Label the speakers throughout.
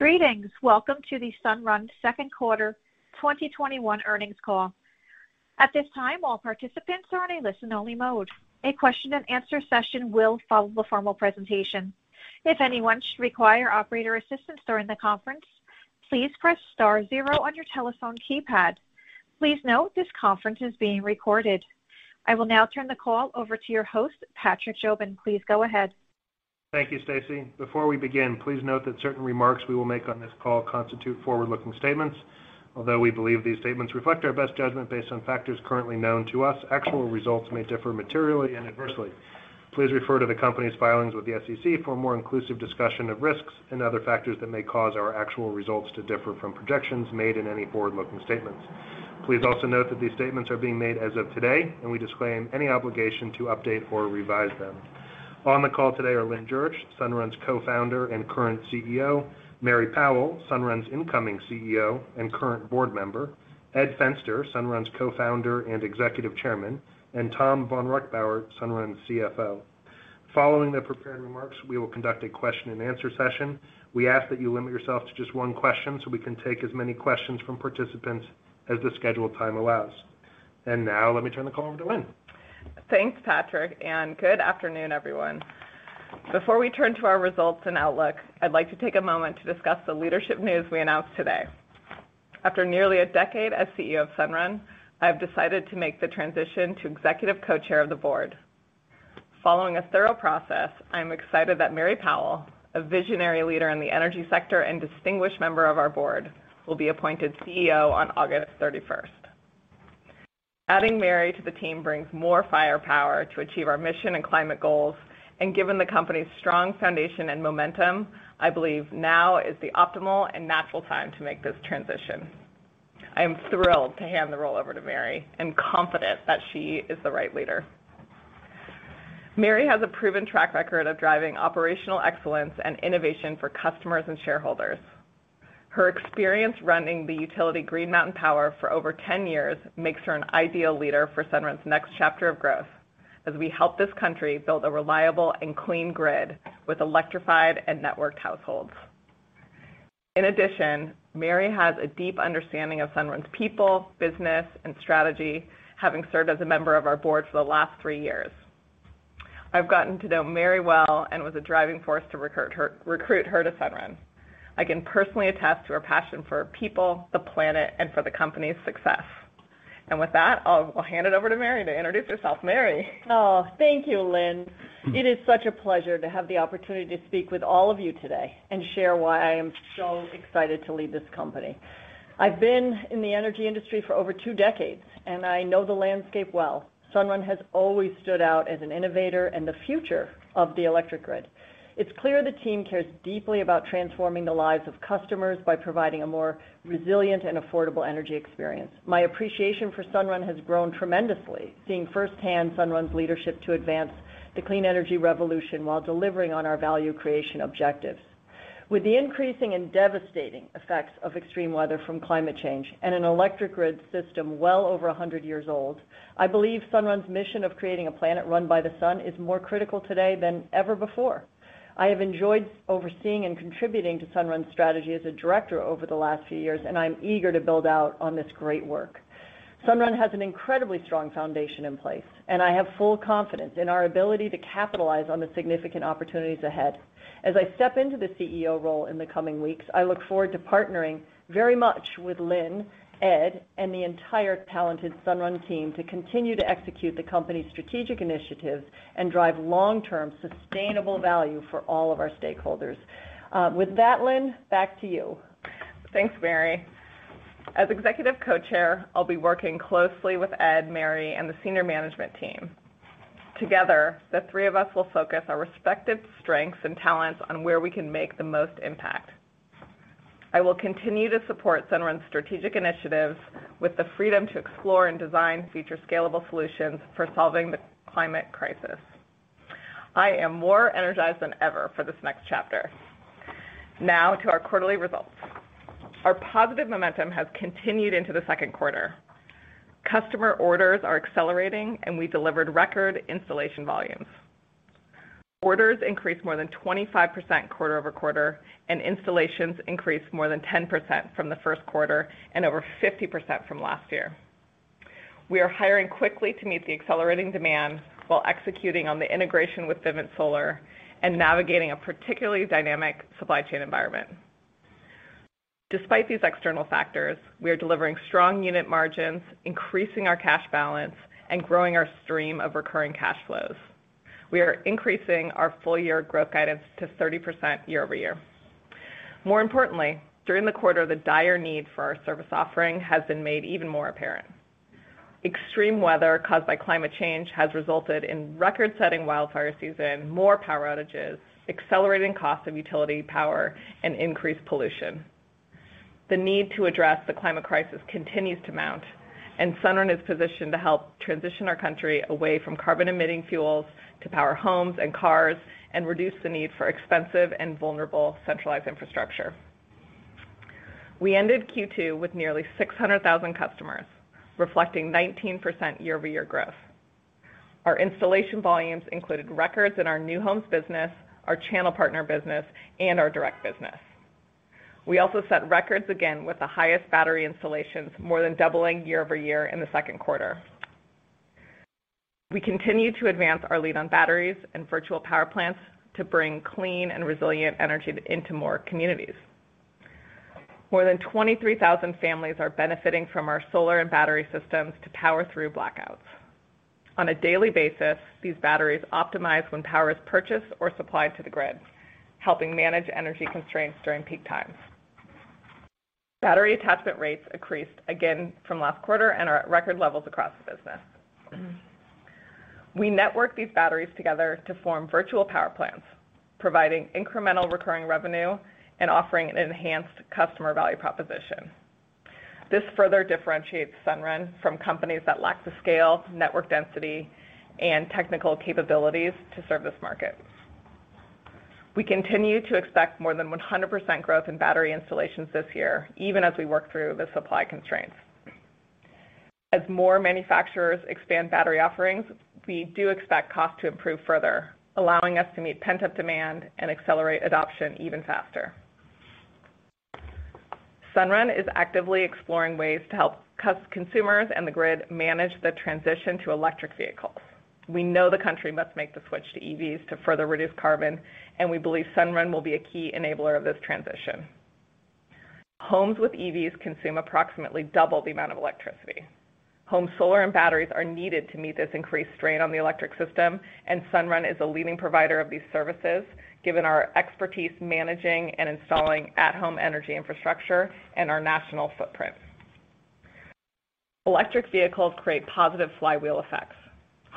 Speaker 1: Greetings. Welcome to the Sunrun Second Quarter 2021 Earnings Call. At this time, all participants are in listen only mode. A question and answer session will follow the formal presentation. If anyone require operator assistance during the conference, please press star zero on your telephone keypad. Please note, this conference is being recorded. I will now turn the call over to your host, Patrick Jobin. Please go ahead.
Speaker 2: Thank you, Stacy. Before we begin, please note that certain remarks we will make on this call constitute forward-looking statements. Although we believe these statements reflect our best judgment based on factors currently known to us, actual results may differ materially and adversely. Please refer to the company's filings with the SEC for a more inclusive discussion of risks and other factors that may cause our actual results to differ from projections made in any forward-looking statements. Please also note that these statements are being made as of today, and we disclaim any obligation to update or revise them. On the call today are Lynn Jurich, Sunrun's Co-Founder and current CEO, Mary Powell, Sunrun's Incoming CEO and current Board Member, Ed Fenster, Sunrun's Co-Founder and Executive Chairman, and Tom vonReichbauer, Sunrun's CFO. Following the prepared remarks, we will conduct a question and answer session. We ask that you limit yourself to just one question so we can take as many questions from participants as the scheduled time allows. Now, let me turn the call over to Lynn.
Speaker 3: Thanks, Patrick, and good afternoon, everyone. Before we turn to our results and outlook, I'd like to take a moment to discuss the leadership news we announced today. After nearly a decade as CEO of Sunrun, I've decided to make the transition to executive co-chair of the board. Following a thorough process, I'm excited that Mary Powell, a visionary leader in the energy sector and distinguished member of our board, will be appointed CEO on August 31st. Adding Mary to the team brings more firepower to achieve our mission and climate goals, and given the company's strong foundation and momentum, I believe now is the optimal and natural time to make this transition. I am thrilled to hand the role over to Mary and confident that she is the right leader. Mary has a proven track record of driving operational excellence and innovation for customers and shareholders. Her experience running the utility Green Mountain Power for over 10 years makes her an ideal leader for Sunrun's next chapter of growth as we help this country build a reliable and clean grid with electrified and networked households. In addition, Mary has a deep understanding of Sunrun's people, business, and strategy, having served as a member of our board for the last three years. I've gotten to know Mary well and was a driving force to recruit her to Sunrun. I can personally attest to her passion for people, the planet, and for the company's success. With that, I'll hand it over to Mary to introduce herself. Mary.
Speaker 4: Thank you, Lynn. It is such a pleasure to have the opportunity to speak with all of you today and share why I am so excited to lead this company. I've been in the energy industry for over two decades, I know the landscape well. Sunrun has always stood out as an innovator and the future of the electric grid. It's clear the team cares deeply about transforming the lives of customers by providing a more resilient and affordable energy experience. My appreciation for Sunrun has grown tremendously, seeing firsthand Sunrun's leadership to advance the clean energy revolution while delivering on our value creation objectives. With the increasing and devastating effects of extreme weather from climate change and an electric grid system well over 100 years old, I believe Sunrun's mission of creating a planet run by the sun is more critical today than ever before. I have enjoyed overseeing and contributing to Sunrun's strategy as a director over the last few years, and I'm eager to build out on this great work. Sunrun has an incredibly strong foundation in place, and I have full confidence in our ability to capitalize on the significant opportunities ahead. As I step into the CEO role in the coming weeks, I look forward to partnering very much with Lynn, Ed, and the entire talented Sunrun team to continue to execute the company's strategic initiatives and drive long-term sustainable value for all of our stakeholders. With that, Lynn, back to you.
Speaker 3: Thanks, Mary. As executive co-chair, I'll be working closely with Ed, Mary, and the senior management team. Together, the three of us will focus our respective strengths and talents on where we can make the most impact. I will continue to support Sunrun's strategic initiatives with the freedom to explore and design future scalable solutions for solving the climate crisis. I am more energized than ever for this next chapter. To our quarterly results. Our positive momentum has continued into the second quarter. Customer orders are accelerating, and we delivered record installation volumes. Orders increased more than 25% quarter-over-quarter, and installations increased more than 10% from the first quarter and over 50% from last year. We are hiring quickly to meet the accelerating demand while executing on the integration with Vivint Solar and navigating a particularly dynamic supply chain environment. Despite these external factors, we are delivering strong unit margins, increasing our cash balance, and growing our stream of recurring cash flows. We are increasing our full year growth guidance to 30% year-over-year. More importantly, during the quarter, the dire need for our service offering has been made even more apparent. Extreme weather caused by climate change has resulted in record-setting wildfire season, more power outages, accelerating cost of utility power, and increased pollution. The need to address the climate crisis continues to mount, and Sunrun is positioned to help transition our country away from carbon-emitting fuels to power homes and cars and reduce the need for expensive and vulnerable centralized infrastructure. We ended Q2 with nearly 600,000 customers, reflecting 19% year-over-year growth. Our installation volumes included records in our new homes business, our channel partner business, and our direct business. We also set records again with the highest battery installations, more than doubling year-over-year in the second quarter. We continue to advance our lead on batteries and virtual power plants to bring clean and resilient energy into more communities. More than 23,000 families are benefiting from our solar and battery systems to power through blackouts. On a daily basis, these batteries optimize when power is purchased or supplied to the grid, helping manage energy constraints during peak times. Battery attachment rates increased again from last quarter and are at record levels across the business. We network these batteries together to form virtual power plants, providing incremental recurring revenue and offering an enhanced customer value proposition. This further differentiates Sunrun from companies that lack the scale, network density, and technical capabilities to serve this market. We continue to expect more than 100% growth in battery installations this year, even as we work through the supply constraints. As more manufacturers expand battery offerings, we do expect cost to improve further, allowing us to meet pent-up demand and accelerate adoption even faster. Sunrun is actively exploring ways to help consumers and the grid manage the transition to electric vehicles. We know the country must make the switch to EVs to further reduce carbon, and we believe Sunrun will be a key enabler of this transition. Homes with EVs consume approximately double the amount of electricity. Home solar and batteries are needed to meet this increased strain on the electric system, and Sunrun is a leading provider of these services, given our expertise managing and installing at-home energy infrastructure and our national footprint. Electric vehicles create positive flywheel effects.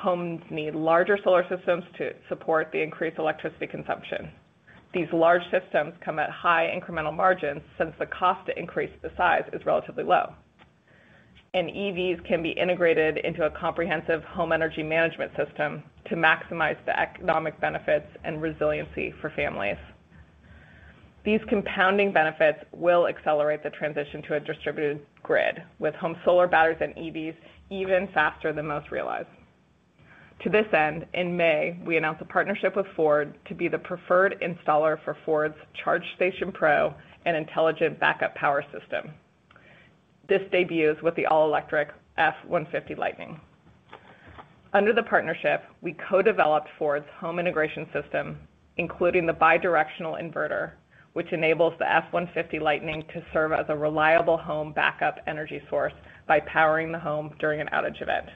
Speaker 3: Homes need larger solar systems to support the increased electricity consumption. These large systems come at high incremental margins since the cost to increase the size is relatively low. EVs can be integrated into a comprehensive home energy management system to maximize the economic benefits and resiliency for families. These compounding benefits will accelerate the transition to a distributed grid with home solar batteries and EVs even faster than most realize. To this end, in May, we announced a partnership with Ford to be the preferred installer for Ford's Charge Station Pro and intelligent backup power system. This debuts with the all-electric F-150 Lightning. Under the partnership, we co-developed Ford's home integration system, including the bidirectional inverter, which enables the F-150 Lightning to serve as a reliable home backup energy source by powering the home during an outage event.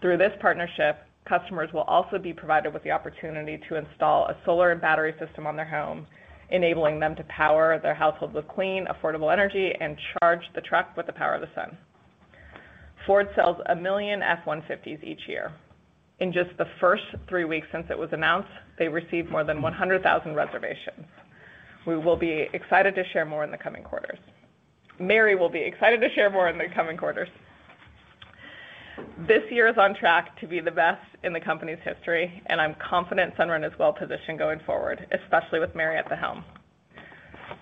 Speaker 3: Through this partnership, customers will also be provided with the opportunity to install a solar and battery system on their home, enabling them to power their household with clean, affordable energy and charge the truck with the power of the sun. Ford sells a million F-150s each year. In just the first three weeks since it was announced, they received more than 100,000 reservations. We will be excited to share more in the coming quarters. Mary will be excited to share more in the coming quarters. This year is on track to be the best in the company's history, and I'm confident Sunrun is well-positioned going forward, especially with Mary at the helm.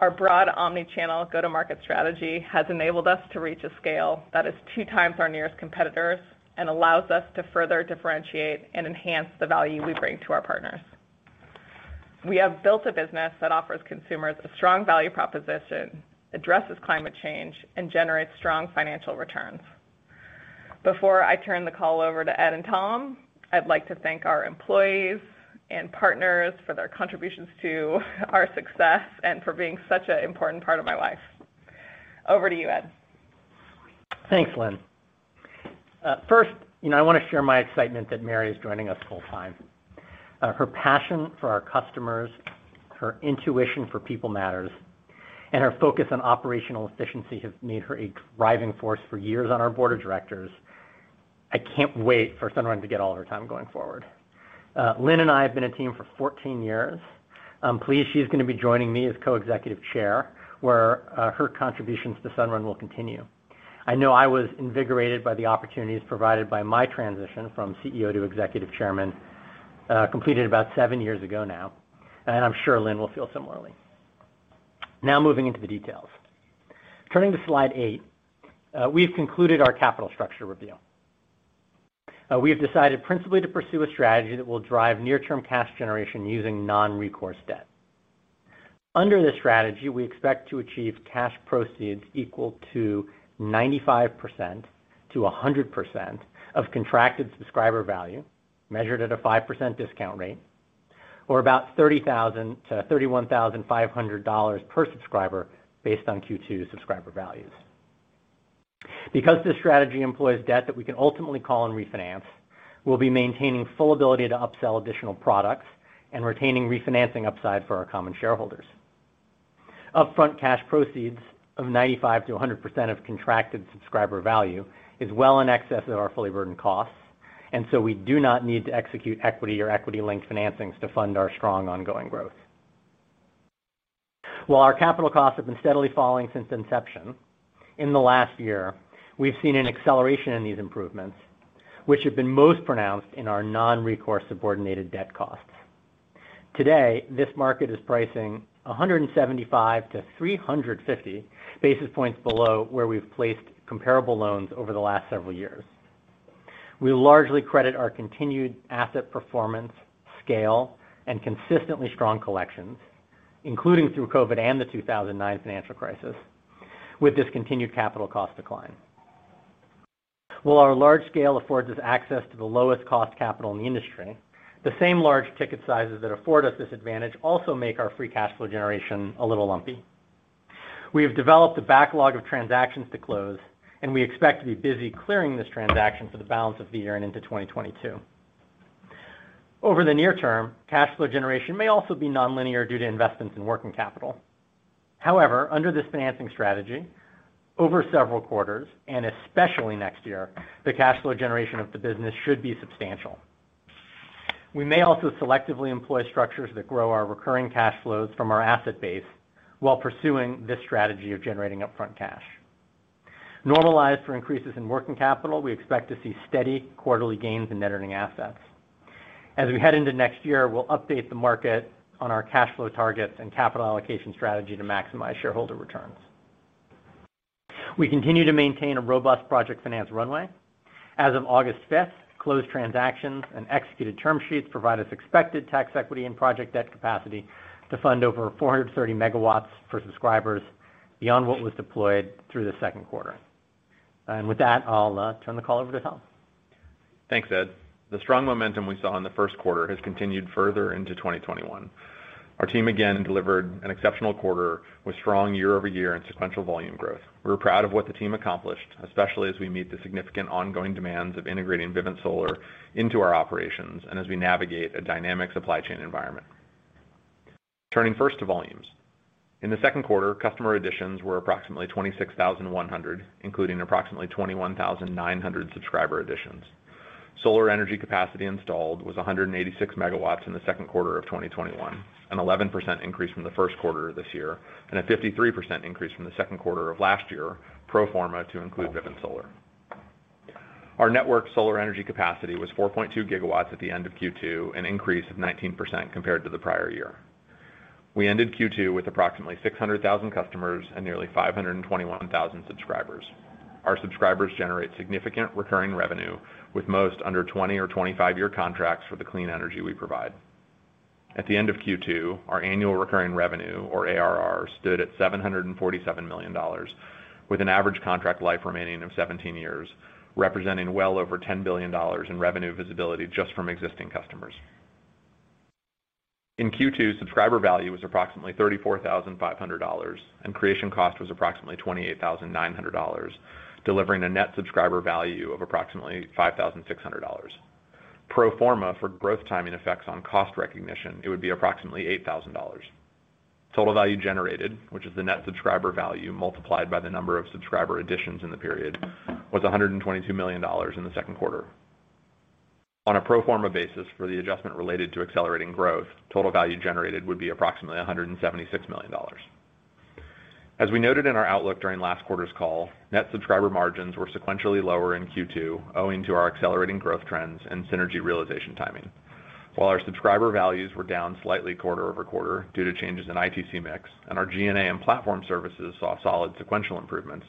Speaker 3: Our broad omni-channel go-to-market strategy has enabled us to reach a scale that is two times our nearest competitors and allows us to further differentiate and enhance the value we bring to our partners. We have built a business that offers consumers a strong value proposition, addresses climate change, and generates strong financial returns. Before I turn the call over to Ed and Tom, I'd like to thank our employees and partners for their contributions to our success and for being such an important part of my life. Over to you, Ed.
Speaker 5: Thanks, Lynn. First, I want to share my excitement that Mary is joining us full time. Her passion for our customers, her intuition for people matters, and her focus on operational efficiency have made her a driving force for years on our board of directors. I can't wait for Sunrun to get all of her time going forward. Lynn and I have been a team for 14 years. I'm pleased she's going to be joining me as Co-Executive Chair, where her contributions to Sunrun will continue. I know I was invigorated by the opportunities provided by my transition from CEO to Executive Chairman, completed about seven years ago now, and I'm sure Lynn will feel similarly. Moving into the details. Turning to slide eight, we've concluded our capital structure review. We have decided principally to pursue a strategy that will drive near-term cash generation using non-recourse debt. Under this strategy, we expect to achieve cash proceeds equal to 95%-100% of contracted subscriber value, measured at a 5% discount rate, or about $30,000-$31,500 per subscriber based on Q2 subscriber values. Because this strategy employs debt that we can ultimately call and refinance, we'll be maintaining full ability to upsell additional products and retaining refinancing upside for our common shareholders. Upfront cash proceeds of 95%-100% of contracted subscriber value is well in excess of our fully burdened costs, and so we do not need to execute equity or equity-linked financings to fund our strong ongoing growth. While our capital costs have been steadily falling since inception, in the last year, we've seen an acceleration in these improvements, which have been most pronounced in our non-recourse subordinated debt costs. Today, this market is pricing 175 to 350 basis points below where we've placed comparable loans over the last several years. We largely credit our continued asset performance, scale, and consistently strong collections, including through COVID and the 2009 financial crisis, with this continued capital cost decline. While our large scale affords us access to the lowest cost capital in the industry, the same large ticket sizes that afford us this advantage also make our free cash flow generation a little lumpy. We have developed a backlog of transactions to close, and we expect to be busy clearing this transaction for the balance of the year and into 2022. Over the near term, cash flow generation may also be nonlinear due to investments in working capital. Under this financing strategy, over several quarters, and especially next year, the cash flow generation of the business should be substantial. We may also selectively employ structures that grow our recurring cash flows from our asset base while pursuing this strategy of generating upfront cash. Normalized for increases in working capital, we expect to see steady quarterly gains in net earning assets. As we head into next year, we'll update the market on our cash flow targets and capital allocation strategy to maximize shareholder returns. We continue to maintain a robust project finance runway. As of August 5th, closed transactions and executed term sheets provide us expected tax equity and project debt capacity to fund over 430 megawatts for subscribers beyond what was deployed through the second quarter. With that, I'll turn the call over to Tom.
Speaker 6: Thanks, Ed. The strong momentum we saw in the first quarter has continued further into 2021. Our team again delivered an exceptional quarter with strong year-over-year and sequential volume growth. We're proud of what the team accomplished, especially as we meet the significant ongoing demands of integrating Vivint Solar into our operations and as we navigate a dynamic supply chain environment. Turning first to volumes. In the second quarter, customer additions were approximately 26,100, including approximately 21,900 subscriber additions. Solar energy capacity installed was 186 megawatts in the second quarter of 2021, an 11% increase from the first quarter of this year, and a 53% increase from the second quarter of last year, pro forma to include Vivint Solar. Our network solar energy capacity was 4.2 gigawatts at the end of Q2, an increase of 19% compared to the prior year. We ended Q2 with approximately 600,000 customers and nearly 521,000 subscribers. Our subscribers generate significant recurring revenue with most under 20 or 25-year contracts for the clean energy we provide. At the end of Q2, our annual recurring revenue, or ARR, stood at $747 million, with an average contract life remaining of 17 years, representing well over $10 billion in revenue visibility just from existing customers. In Q2, subscriber value was approximately $34,500, and creation cost was approximately $28,900, delivering a net subscriber value of approximately $5,600. Pro forma for growth timing effects on cost recognition, it would be approximately $8,000. Total value generated, which is the net subscriber value multiplied by the number of subscriber additions in the period, was $122 million in the second quarter. On a pro forma basis for the adjustment related to accelerating growth, total value generated would be approximately $176 million. As we noted in our outlook during last quarter's call, net subscriber margins were sequentially lower in Q2 owing to our accelerating growth trends and synergy realization timing. While our subscriber values were down slightly quarter-over-quarter due to changes in ITC mix and our G&A and platform services saw solid sequential improvements,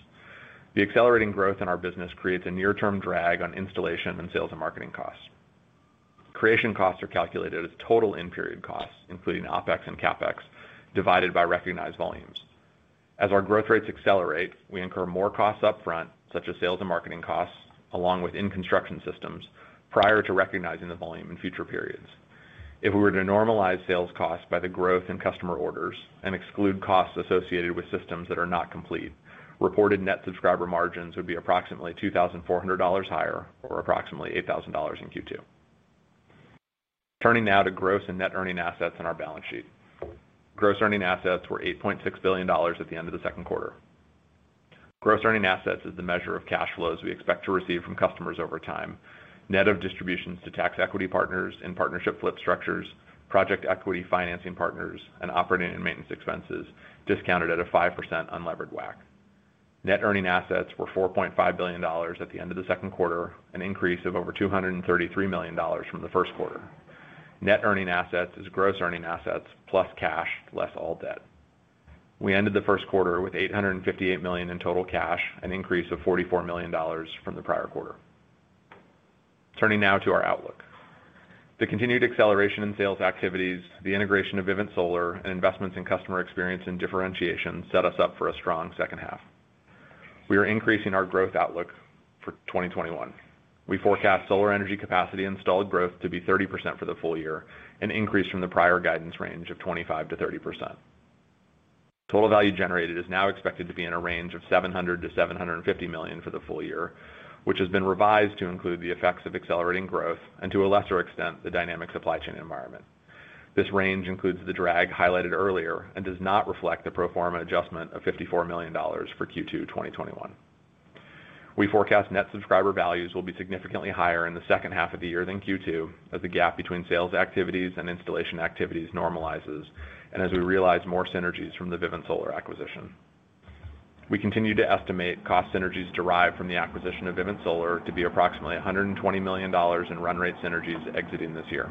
Speaker 6: the accelerating growth in our business creates a near-term drag on installation and sales and marketing costs. Creation costs are calculated as total in-period costs, including OpEx and CapEx, divided by recognized volumes. As our growth rates accelerate, we incur more costs upfront, such as sales and marketing costs, along with in-construction systems, prior to recognizing the volume in future periods. If we were to normalize sales costs by the growth in customer orders and exclude costs associated with systems that are not complete, reported net subscriber margins would be approximately $2,400 higher or approximately $8,000 in Q2. Turning now to gross and net earning assets on our balance sheet. Gross earning assets were $8.6 billion at the end of the second quarter. Gross earning assets is the measure of cash flows we expect to receive from customers over time, net of distributions to tax equity partners in partnership flip structures, project equity financing partners, and operating and maintenance expenses discounted at a 5% unlevered WACC. Net earning assets were $4.5 billion at the end of the second quarter, an increase of over $233 million from the first quarter. Net earning assets is gross earning assets plus cash, less all debt. We ended the first quarter with $858 million in total cash, an increase of $44 million from the prior quarter. Turning now to our outlook. The continued acceleration in sales activities, the integration of Vivint Solar, and investments in customer experience and differentiation set us up for a strong second half. We are increasing our growth outlook for 2021. We forecast solar energy capacity installed growth to be 30% for the full year, an increase from the prior guidance range of 25%-30%. Total value generated is now expected to be in a range of $700 million-$750 million for the full year, which has been revised to include the effects of accelerating growth and to a lesser extent, the dynamic supply chain environment. This range includes the drag highlighted earlier and does not reflect the pro forma adjustment of $54 million for Q2 2021. We forecast net subscriber values will be significantly higher in the second half of the year than Q2 as the gap between sales activities and installation activities normalizes, and as we realize more synergies from the Vivint Solar acquisition. We continue to estimate cost synergies derived from the acquisition of Vivint Solar to be approximately $120 million in run rate synergies exiting this year.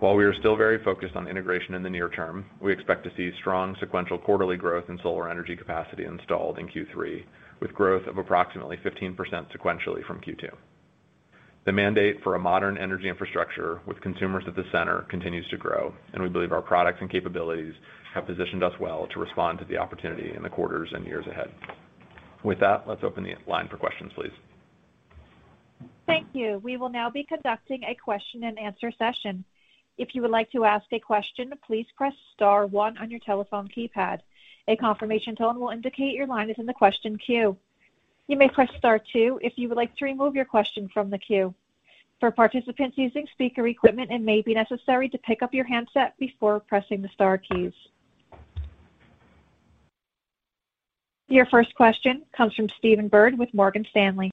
Speaker 6: While we are still very focused on integration in the near term, we expect to see strong sequential quarterly growth in solar energy capacity installed in Q3, with growth of approximately 15% sequentially from Q2. The mandate for a modern energy infrastructure with consumers at the center continues to grow, and we believe our products and capabilities have positioned us well to respond to the opportunity in the quarters and years ahead. With that, let's open the line for questions, please.
Speaker 1: Thank you. We will now be conducting a question and answer session. If you would like to ask a question, please press star one on your telephone keypad. A confirmation tone will indicate your line is in the question queue. You may press star two if you would like to remove your question from the queue. For participants using speaker equipment, it may be necessary to pick up your handset before pressing the star keys. Your first question comes from Stephen Byrd with Morgan Stanley.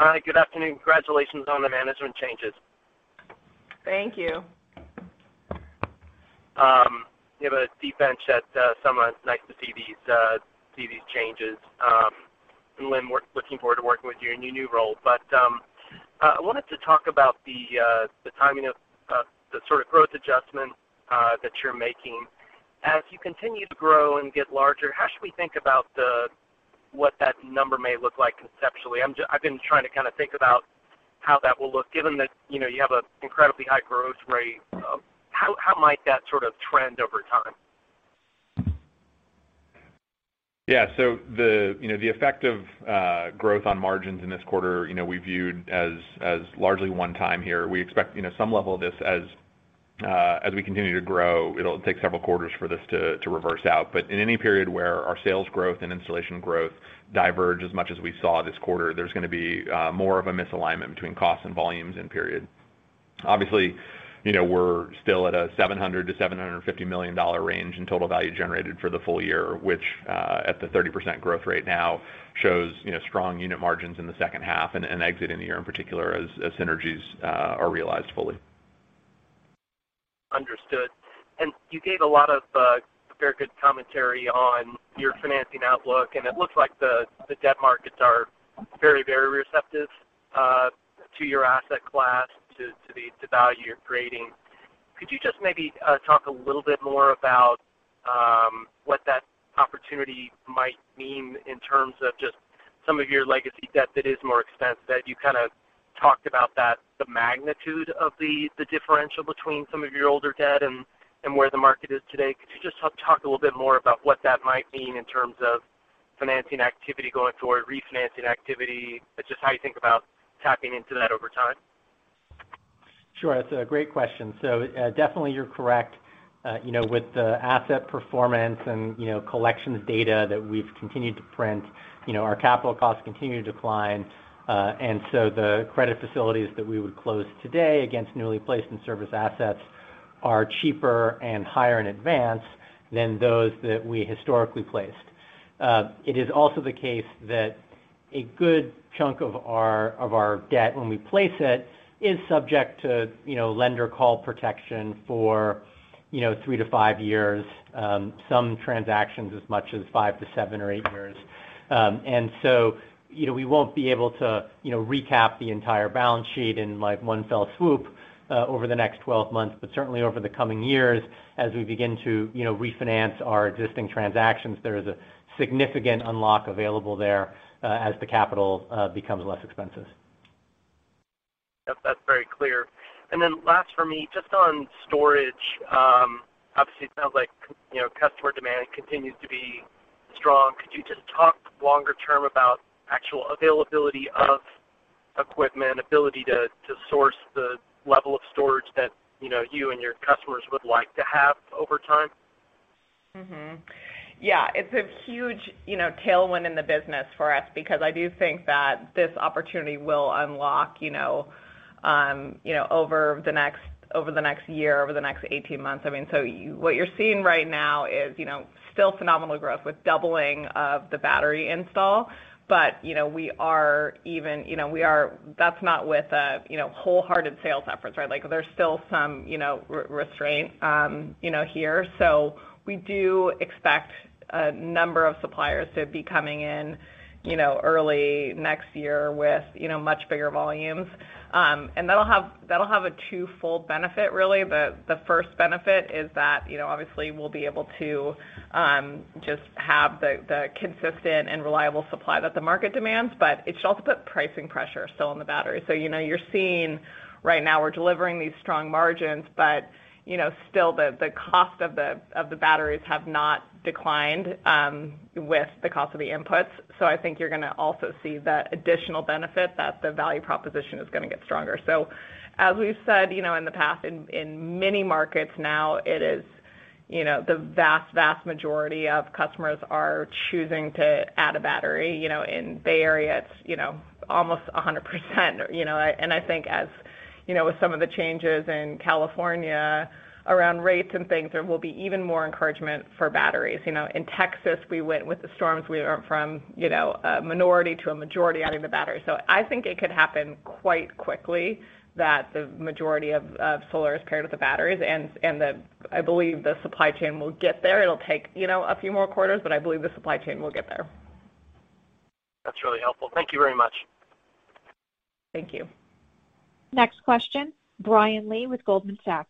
Speaker 7: Hi. Good afternoon. Congratulations on the management changes.
Speaker 3: Thank you.
Speaker 7: You have a deep bench at Sunrun. Nice to see these changes. Lynn, looking forward to working with you in your new role. I wanted to talk about the timing of the sort of growth adjustment that you're making. As you continue to grow and get larger, how should we think about what that number may look like conceptually? I've been trying to kind of think about how that will look given that you have an incredibly high growth rate. How might that sort of trend over time?
Speaker 6: The effect of growth on margins in this quarter we viewed as largely one-time here. We expect some level of this as we continue to grow. It'll take several quarters for this to reverse out. In any period where our sales growth and installation growth diverge as much as we saw this quarter, there's going to be more of a misalignment between costs and volumes in period. Obviously, we're still at a $700 million-$750 million range in total value generated for the full year, which, at the 30% growth rate now, shows strong unit margins in the second half and exiting the year in particular as synergies are realized fully.
Speaker 7: Understood. You gave a lot of very good commentary on your financing outlook, and it looks like the debt markets are very receptive to your asset class, to the value you're creating. Could you just maybe talk a little bit more about what that opportunity might mean in terms of just some of your legacy debt that is more expensive? You kind of talked about that the magnitude of the differential between some of your older debt and where the market is today. Could you just talk a little bit more about what that might mean in terms of financing activity going forward, refinancing activity? Just how you think about tapping into that over time.
Speaker 5: Sure. That's a great question. Definitely you're correct. With the asset performance and collections data that we've continued to print, our capital costs continue to decline. The credit facilities that we would close today against newly placed in service assets are cheaper and higher in advance than those that we historically placed. It is also the case that a good chunk of our debt, when we place it, is subject to lender call protection for three to five years. Some transactions as much as five to seven or eight years. We won't be able to recap the entire balance sheet in one fell swoop over the next 12 months. Certainly over the coming years, as we begin to refinance our existing transactions, there is a significant unlock available there as the capital becomes less expensive.
Speaker 7: That's very clear. Last for me, just on storage. Obviously it sounds like customer demand continues to be strong. Could you just talk longer term about actual availability of equipment, ability to source the level of storage that you and your customers would like to have over time?
Speaker 3: Yeah. It's a huge tailwind in the business for us because I do think that this opportunity will unlock over the next year, over the next 18 months. What you're seeing right now is still phenomenal growth with doubling of the battery install. That's not with a wholehearted sales effort. There's still some restraint here. We do expect a number of suppliers to be coming in early next year with much bigger volumes. That'll have a twofold benefit really. The first benefit is that obviously we'll be able to just have the consistent and reliable supply that the market demands, but it should also put pricing pressure still on the battery. You're seeing right now we're delivering these strong margins, but still the cost of the batteries have not declined with the cost of the inputs. I think you're going to also see the additional benefit that the value proposition is going to get stronger. As we've said in the past, in many markets now, the vast majority of customers are choosing to add a battery. In Bay Area, it's almost 100%. I think with some of the changes in California around rates and things, there will be even more encouragement for batteries. In Texas, with the storms, we went from a minority to a majority adding the battery. I think it could happen quite quickly that the majority of solar is paired with the batteries, and I believe the supply chain will get there. It'll take a few more quarters, but I believe the supply chain will get there.
Speaker 7: That's really helpful. Thank you very much.
Speaker 3: Thank you.
Speaker 1: Next question, Brian Lee with Goldman Sachs.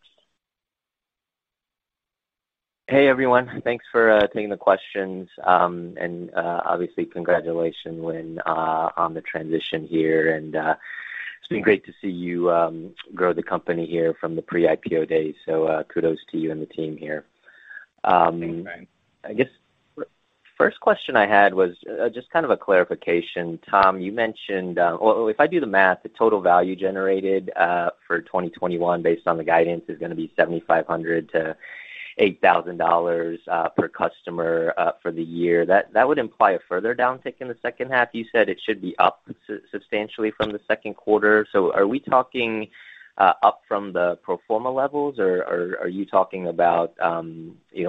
Speaker 8: Hey, everyone. Thanks for taking the questions. Obviously congratulations, Lynn, on the transition here. It's been great to see you grow the company here from the pre-IPO days. Kudos to you and the team here.
Speaker 3: Thanks, Brian.
Speaker 8: I guess first question I had was just kind of a clarification. Tom, you mentioned if I do the math, the total value generated for 2021 based on the guidance is going to be $7,500-$8,000 per customer for the year. That would imply a further downtick in the second half. You said it should be up substantially from the second quarter. Are we talking up from the pro forma levels, or are you talking about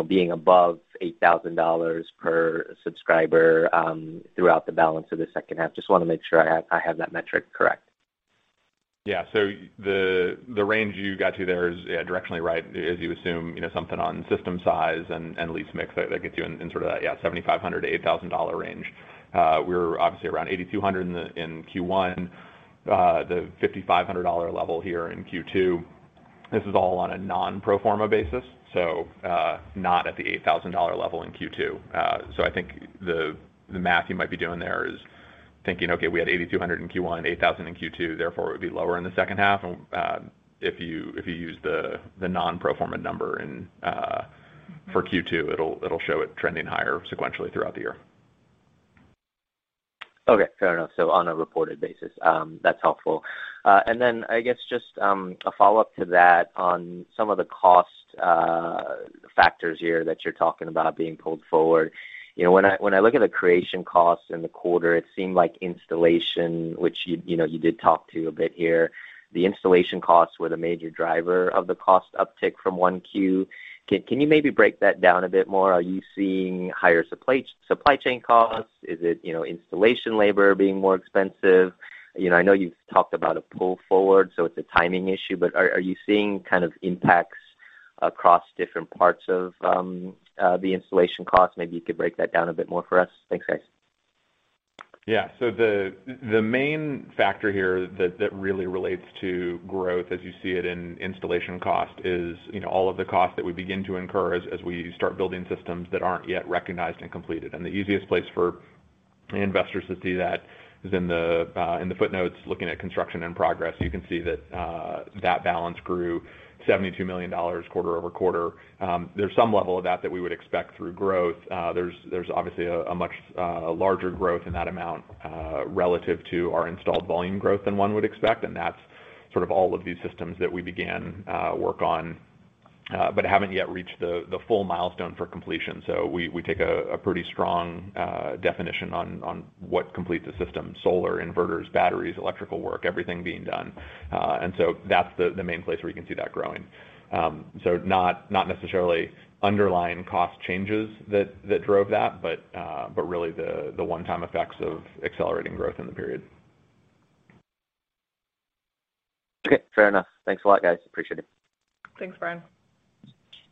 Speaker 8: being above $8,000 per subscriber throughout the balance of the second half? Just want to make sure I have that metric correct.
Speaker 6: The range you got to there is directionally right, as you assume, something on system size and lease mix that gets you in sort of that $7,500-$8,000 range. We're obviously around $8,200 in Q1, the $5,500 level here in Q2. This is all on a non-pro forma basis, not at the $8,000 level in Q2. I think the math you might be doing there is thinking, okay, we had $8,200 in Q1, $8,000 in Q2, therefore it would be lower in the second half. If you use the non-pro forma number for Q2, it'll show it trending higher sequentially throughout the year.
Speaker 8: Okay, fair enough. On a reported basis. That's helpful. I guess just a follow-up to that on some of the cost factors here that you're talking about being pulled forward. When I look at the creation cost in the quarter, it seemed like installation, which you did talk to a bit here, the installation costs were the major driver of the cost uptick from 1Q. Can you maybe break that down a bit more? Are you seeing higher supply chain costs? Is it installation labor being more expensive? I know you've talked about a pull forward, so it's a timing issue, but are you seeing kind of impacts across different parts of the installation costs? Maybe you could break that down a bit more for us. Thanks, guys.
Speaker 6: Yeah. The main factor here that really relates to growth as you see it in installation cost is all of the costs that we begin to incur as we start building systems that aren't yet recognized and completed. The easiest place for investors to see that is in the footnotes, looking at construction in progress. You can see that that balance grew $72 million quarter-over-quarter. There's some level of that that we would expect through growth. There's obviously a much larger growth in that amount relative to our installed volume growth than one would expect, and that's sort of all of these systems that we began work on but haven't yet reached the full milestone for completion. We take a pretty strong definition on what completes a system. Solar, inverters, batteries, electrical work, everything being done. That's the main place where you can see that growing. Not necessarily underlying cost changes that drove that, but really the one-time effects of accelerating growth in the period.
Speaker 8: Okay, fair enough. Thanks a lot, guys. Appreciate it.
Speaker 3: Thanks, Brian.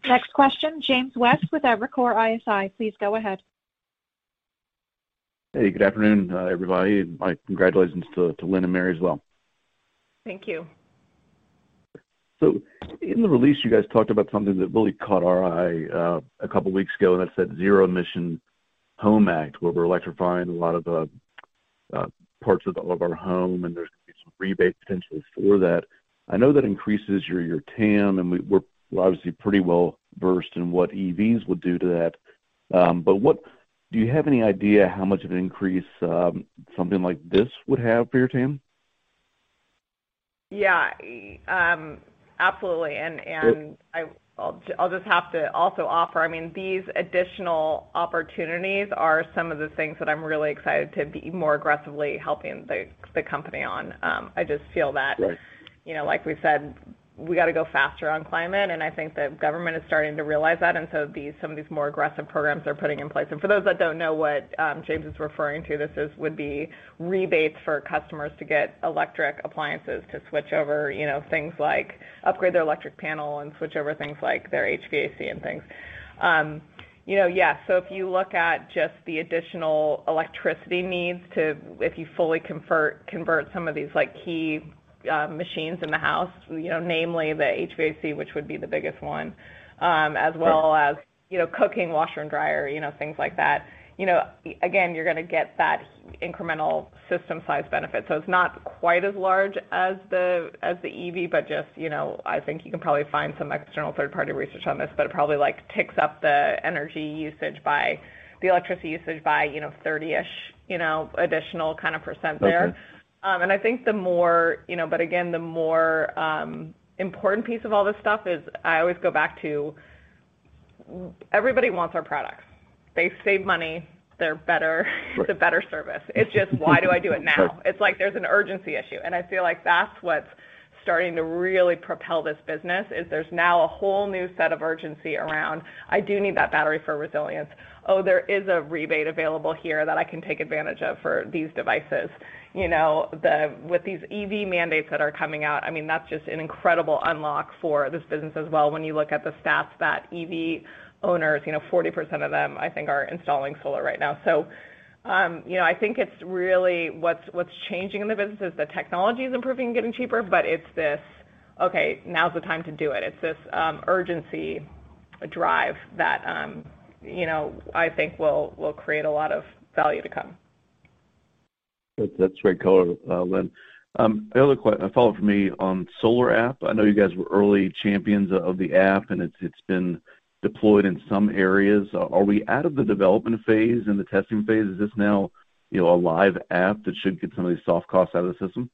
Speaker 1: Next question, James West with Evercore ISI. Please go ahead.
Speaker 9: Hey, good afternoon, everybody. My congratulations to Lynn and Mary as well.
Speaker 3: Thank you.
Speaker 9: In the release, you guys talked about something that really caught our eye a couple weeks ago, and that's that Zero-Emission Homes Act, where we're electrifying a lot of the parts of our home, and there's going to be some rebates potentially for that. I know that increases your TAM, and we're obviously pretty well-versed in what EVs would do to that. Do you have any idea how much of an increase something like this would have for your TAM?
Speaker 3: Yeah. Absolutely. I'll just have to also offer, these additional opportunities are some of the things that I'm really excited to be more aggressively helping the company on.
Speaker 9: Right
Speaker 3: like we've said, we got to go faster on climate, and I think the government is starting to realize that. Some of these more aggressive programs they're putting in place. For those that don't know what James is referring to, this would be rebates for customers to get electric appliances to switch over things like upgrade their electric panel and switch over things like their HVAC and things. Yeah. If you look at just the additional electricity needs to, if you fully convert some of these key machines in the house, namely the HVAC, which would be the biggest one, as well as cooking, washer and dryer, things like that. Again, you're going to get that incremental system size benefit. It's not quite as large as the EV, but just I think you can probably find some external third-party research on this, but it probably ticks up the energy usage by the electricity usage by 30-ish additional kind of percent there.
Speaker 9: Okay.
Speaker 3: Again, the more important piece of all this stuff is I always go back to everybody wants our products. They save money. They're better. It's a better service. It's just, why do I do it now?
Speaker 9: Sure.
Speaker 3: It's like there's an urgency issue, and I feel like that's what's starting to really propel this business is there's now a whole new set of urgency around, "I do need that battery for resilience. Oh, there is a rebate available here that I can take advantage of for these devices." With these EV mandates that are coming out, that's just an incredible unlock for this business as well when you look at the stats that EV owners, 40% of them, I think are installing solar right now. I think it's really what's changing in the business is the technology's improving and getting cheaper, but it's this. Okay, now's the time to do it. It's this urgency drive that I think will create a lot of value to come.
Speaker 9: That's very helpful, Lynn. The other question, a follow-up from me on SolarAPP+. I know you guys were early champions of the app. It's been deployed in some areas. Are we out of the development phase and the testing phase? Is this now a live app that should get some of these soft costs out of the system?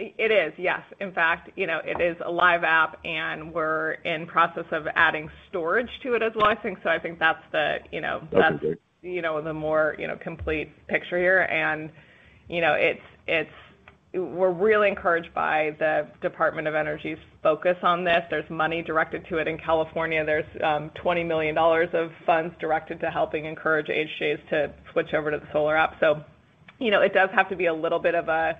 Speaker 3: It is, yes. In fact, it is a live app, and we're in process of adding storage to it as well, I think.
Speaker 9: Okay
Speaker 3: the more complete picture here. We're really encouraged by the Department of Energy's focus on this. There's money directed to it. In California, there's $20 million of funds directed to helping encourage AHJs to switch over to the SolarAPP+. It does have to be a little bit of a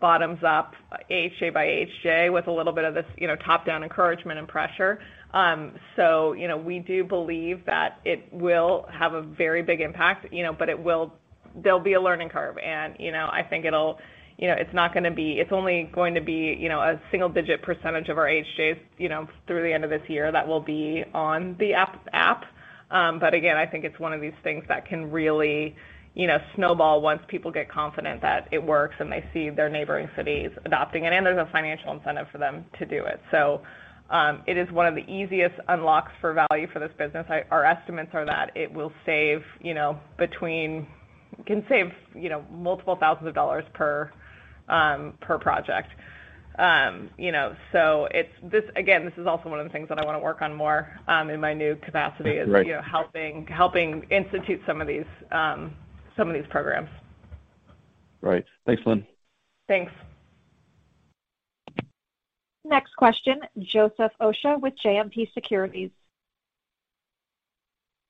Speaker 3: bottoms-up AHJ by AHJ with a little bit of this top-down encouragement and pressure. We do believe that it will have a very big impact. There'll be a learning curve, and I think it's only going to be a single-digit percent of our AHJs through the end of this year that will be on the SolarAPP+. Again, I think it's one of these things that can really snowball once people get confident that it works and they see their neighboring cities adopting it, and there's a financial incentive for them to do it. It is one of the easiest unlocks for value for this business. Our estimates are that it can save multiple thousands of dollars per project. Again, this is also one of the things that I want to work on more in my new capacity.
Speaker 9: Right
Speaker 3: is helping institute some of these programs.
Speaker 9: Right. Thanks, Lynn.
Speaker 3: Thanks.
Speaker 1: Next question, Joseph Osha with Guggenheim Securities.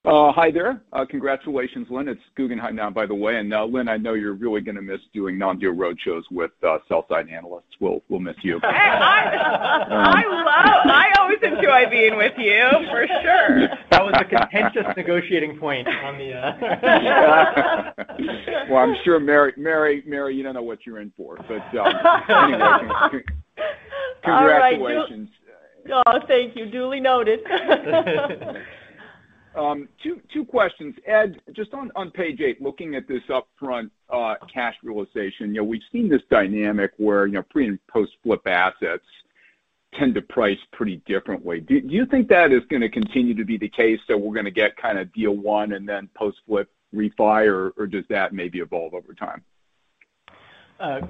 Speaker 10: Hi there. Congratulations, Lynn. It's Guggenheim now, by the way. Lynn, I know you're really going to miss doing non-deal roadshows with sell side analysts. We'll miss you.
Speaker 3: Hey, I always enjoy being with you. For sure.
Speaker 5: That was a contentious negotiating point on the
Speaker 10: I'm sure Mary, you don't know what you're in for. Anyway. Congratulations.
Speaker 4: All right. Oh, thank you. Duly noted.
Speaker 10: Two questions. Ed, just on page eight, looking at this upfront cash realization. We've seen this dynamic where pre and post-flip assets tend to price pretty differently. Do you think that is going to continue to be the case, that we're going to get kind of deal one and then post-flip refi, or does that maybe evolve over time?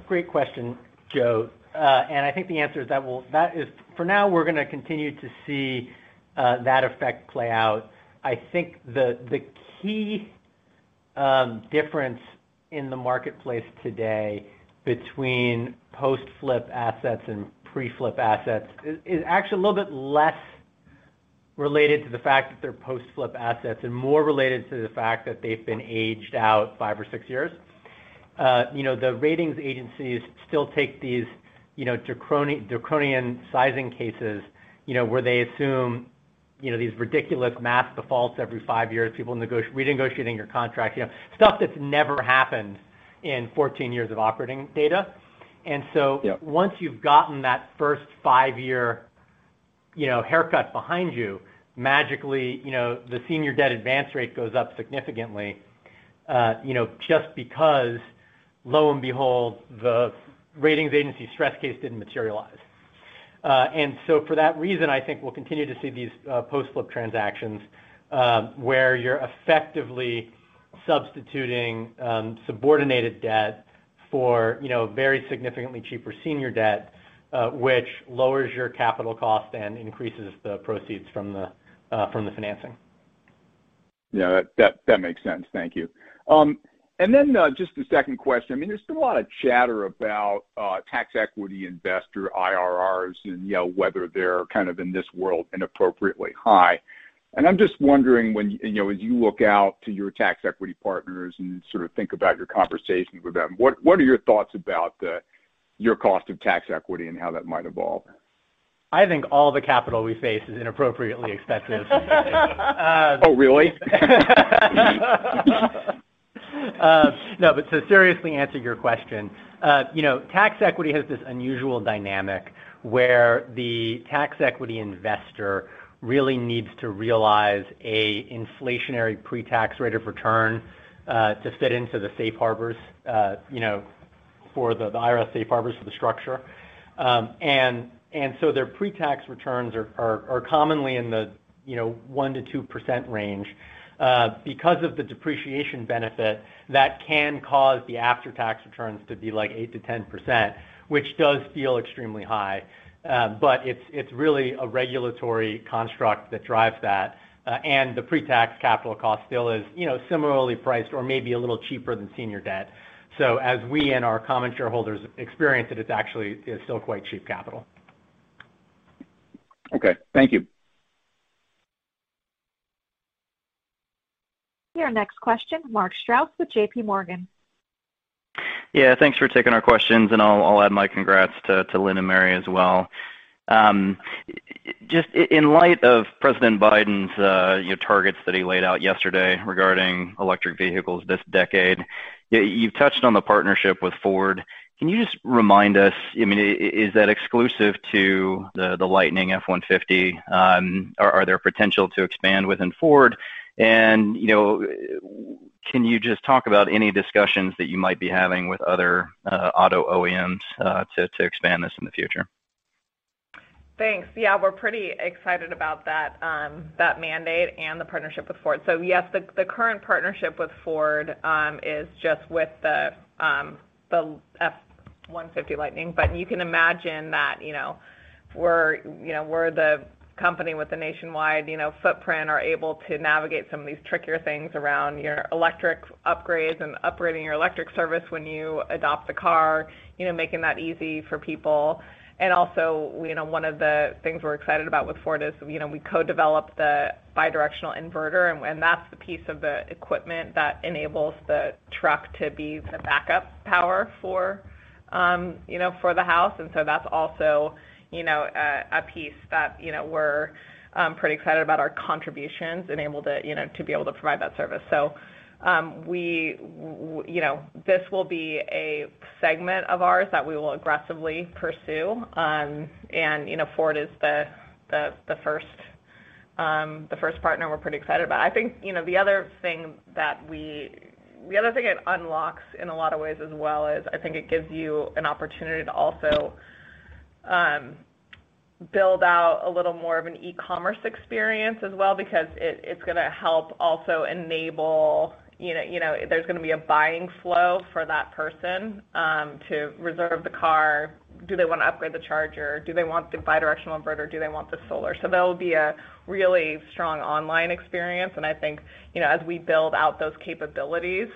Speaker 5: Great question, Joe. I think the answer is for now, we're going to continue to see that effect play out. I think the key difference in the marketplace today between post-flip assets and pre-flip assets is actually a little bit less related to the fact that they're post-flip assets, and more related to the fact that they've been aged out five or six years. The ratings agencies still take these draconian sizing cases where they assume these ridiculous mass defaults every five years, people renegotiating your contract, stuff that's never happened in 14 years of operating data.
Speaker 10: Yep
Speaker 5: once you've gotten that first five-year haircut behind you, magically, the senior debt advance rate goes up significantly, just because lo and behold, the ratings agency stress case didn't materialize. For that reason, I think we'll continue to see these post-flip transactions, where you're effectively substituting subordinated debt for very significantly cheaper senior debt, which lowers your capital cost and increases the proceeds from the financing.
Speaker 10: Yeah, that makes sense. Thank you. Then just a second question. There's been a lot of chatter about tax equity investor IRRs, and whether they're kind of in this world inappropriately high. I'm just wondering, as you look out to your tax equity partners and sort of think about your conversations with them, what are your thoughts about your cost of tax equity and how that might evolve?
Speaker 5: I think all the capital we face is inappropriately expensive.
Speaker 10: Oh, really?
Speaker 5: No, but to seriously answer your question. Tax equity has this unusual dynamic where the tax equity investor really needs to realize an inflationary pre-tax rate of return to fit into the safe harbors for the IRS safe harbors for the structure. Their pre-tax returns are commonly in the 1% to 2% range. Because of the depreciation benefit, that can cause the after-tax returns to be like 8% to 10%, which does feel extremely high. It's really a regulatory construct that drives that. The pre-tax capital cost still is similarly priced or maybe a little cheaper than senior debt. As we and our common shareholders experience it's actually still quite cheap capital.
Speaker 10: Okay. Thank you.
Speaker 1: Your next question, Mark Strouse with JP Morgan.
Speaker 11: Yeah. Thanks for taking our questions. I'll add my congrats to Lynn and Mary as well. Just in light of President Biden's targets that he laid out yesterday regarding electric vehicles this decade, you've touched on the partnership with Ford. Can you just remind us, is that exclusive to the F-150 Lightning? Are there potential to expand within Ford? Can you just talk about any discussions that you might be having with other auto OEMs to expand this in the future?
Speaker 3: Thanks. Yeah, we're pretty excited about that mandate and the partnership with Ford. Yes, the current partnership with Ford is just with the F-150 Lightning. You can imagine that we're the company with the nationwide footprint, are able to navigate some of these trickier things around your electric upgrades and upgrading your electric service when you adopt the car, making that easy for people. One of the things we're excited about with Ford is we co-developed the bi-directional inverter, and that's the piece of the equipment that enables the truck to be the backup power for the house. That's also a piece that we're pretty excited about our contributions enable to be able to provide that service. This will be a segment of ours that we will aggressively pursue. Ford is the first partner we're pretty excited about. I think, the other thing it unlocks in a lot of ways as well is, I think it gives you an opportunity to also build out a little more of an e-commerce experience as well, because it's going to help also enable there's going to be a buying flow for that person to reserve the car. Do they want to upgrade the charger? Do they want the bi-directional inverter? Do they want the solar? That'll be a really strong online experience. I think, as we build out those capabilities,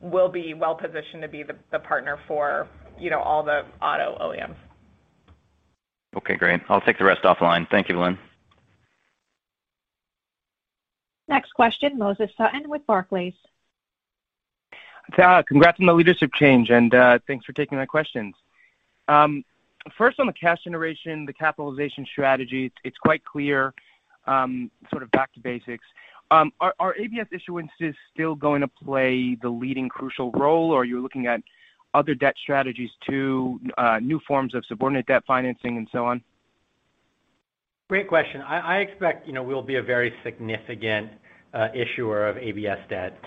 Speaker 3: we'll be well positioned to be the partner for all the auto OEMs.
Speaker 11: Okay, great. I'll take the rest offline. Thank you, Lynn.
Speaker 1: Next question, Moses Sutton with Barclays.
Speaker 12: Congrats on the leadership change, and thanks for taking the questions. First, on the cash generation, the capitalization strategy, it's quite clear, sort of back to basics. Are ABS issuances still going to play the leading crucial role, or are you looking at other debt strategies too, new forms of subordinate debt financing and so on?
Speaker 5: Great question. I expect we'll be a very significant issuer of ABS debt.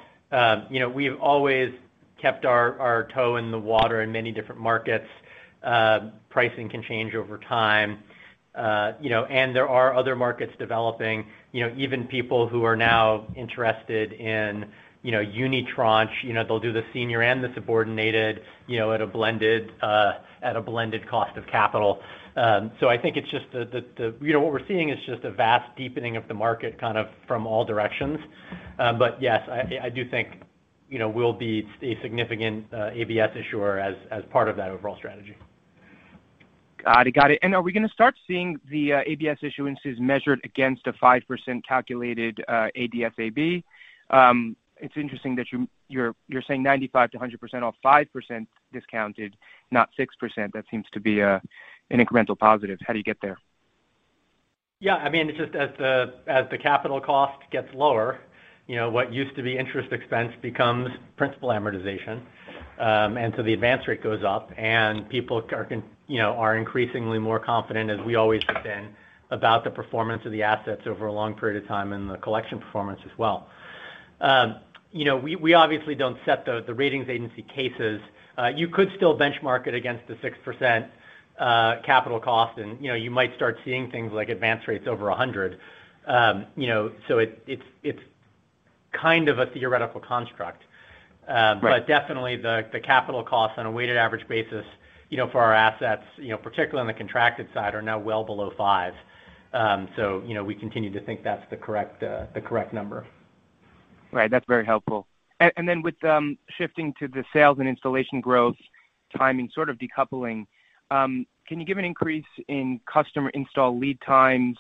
Speaker 5: We've always kept our toe in the water in many different markets. Pricing can change over time. There are other markets developing. Even people who are now interested in unitranche, they'll do the senior and the subordinated at a blended cost of capital. I think what we're seeing is just a vast deepening of the market kind of from all directions. Yes, I do think we'll be a significant ABS issuer as part of that overall strategy.
Speaker 12: Got it. Are we going to start seeing the ABS issuances measured against a 5% calculated ADSAB? It's interesting that you're saying 95%-100% off 5% discounted, not 6%. That seems to be an incremental positive. How do you get there?
Speaker 5: Yeah, it's just as the capital cost gets lower, what used to be interest expense becomes principal amortization. The advance rate goes up, and people are increasingly more confident, as we always have been, about the performance of the assets over a long period of time and the collection performance as well. We obviously don't set the ratings agency cases. You could still benchmark it against the 6% capital cost and you might start seeing things like advance rates over 100. It's kind of a theoretical construct.
Speaker 12: Right.
Speaker 5: Definitely the capital cost on a weighted average basis for our assets, particularly on the contracted side, are now well below 5%. We continue to think that's the correct number.
Speaker 12: Right. That's very helpful. Then with shifting to the sales and installation growth timing sort of decoupling, can you give an increase in customer install lead times?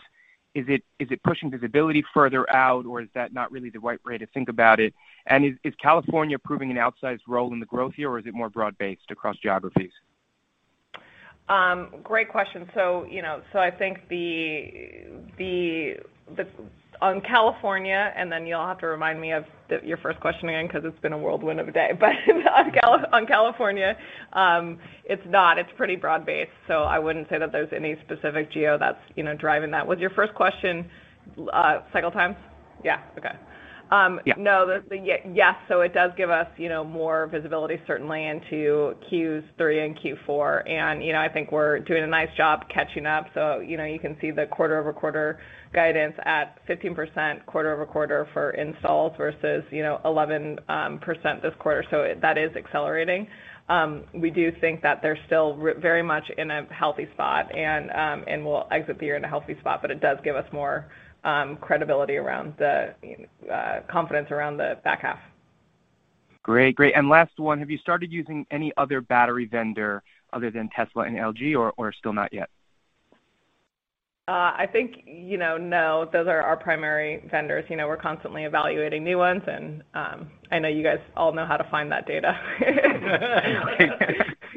Speaker 12: Is it pushing visibility further out, or is that not really the right way to think about it? Is California proving an outsized role in the growth here, or is it more broad-based across geographies?
Speaker 3: Great question. I think on California, you'll have to remind me of your first question again, because it's been a whirlwind of a day. On California, it's pretty broad-based, I wouldn't say that there's any specific geo that's driving that. Was your first question cycle times? Yeah. Okay.
Speaker 12: Yeah.
Speaker 3: Yes. It does give us more visibility certainly into Q3 and Q4. I think we're doing a nice job catching up. You can see the quarter-over-quarter guidance at 15% quarter-over-quarter for installs versus 11% this quarter. That is accelerating. We do think that they're still very much in a healthy spot and will exit the year in a healthy spot, but it does give us more credibility around the confidence around the back half.
Speaker 12: Great. Last one, have you started using any other battery vendor other than Tesla and LG or still not yet?
Speaker 3: I think, no, those are our primary vendors. We're constantly evaluating new ones, and I know you guys all know how to find that data.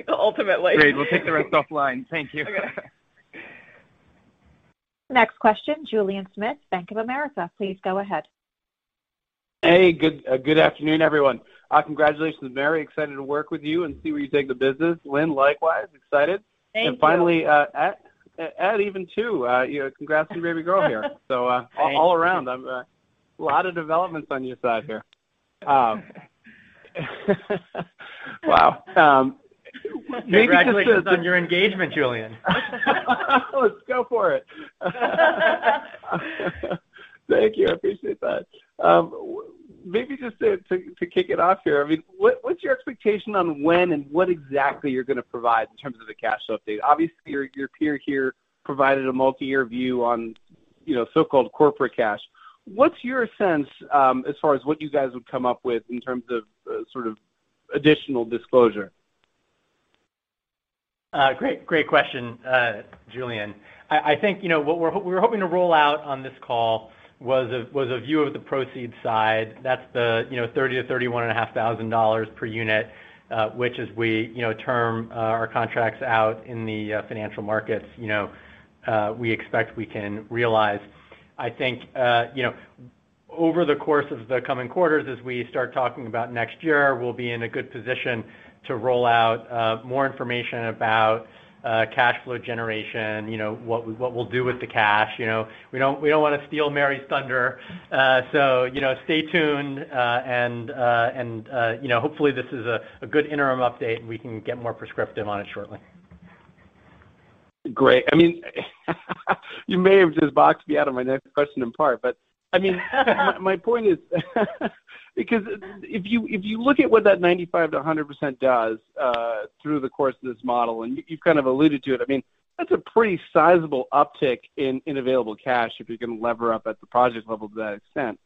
Speaker 3: Ultimately.
Speaker 12: Great. We'll take the rest offline. Thank you.
Speaker 3: Okay.
Speaker 1: Next question, Julien Dumoulin-Smith, Bank of America. Please go ahead.
Speaker 13: Hey, good afternoon, everyone. Congratulations, Mary. Excited to work with you and see where you take the business. Lynn, likewise, excited.
Speaker 3: Thank you.
Speaker 13: Finally, Ed, even too, congrats on your baby girl here.
Speaker 5: Thank you.
Speaker 13: All around, a lot of developments on your side here. Wow.
Speaker 5: Congratulations on your engagement, Julien.
Speaker 13: Let's go for it. Thank you. I appreciate that. Maybe just to kick it off here, what's your expectation on when and what exactly you're going to provide in terms of the cash flow update? Obviously, your peer here provided a multi-year view on so-called corporate cash. What's your sense as far as what you guys would come up with in terms of additional disclosure?
Speaker 5: Great question, Julien. I think what we were hoping to roll out on this call was a view of the proceeds side. That's the $30,000-$31,500 per unit. Which as we term our contracts out in the financial markets, we expect we can realize. I think over the course of the coming quarters, as we start talking about next year, we'll be in a good position to roll out more information about cash flow generation, what we'll do with the cash. We don't want to steal Mary's thunder. Stay tuned, and hopefully, this is a good interim update, and we can get more prescriptive on it shortly.
Speaker 13: Great. You may have just boxed me out of my next question in part. My point is because if you look at what that 95%-100% does through the course of this model, and you've kind of alluded to it, that's a pretty sizable uptick in available cash if you're going to lever up at the project level to that extent.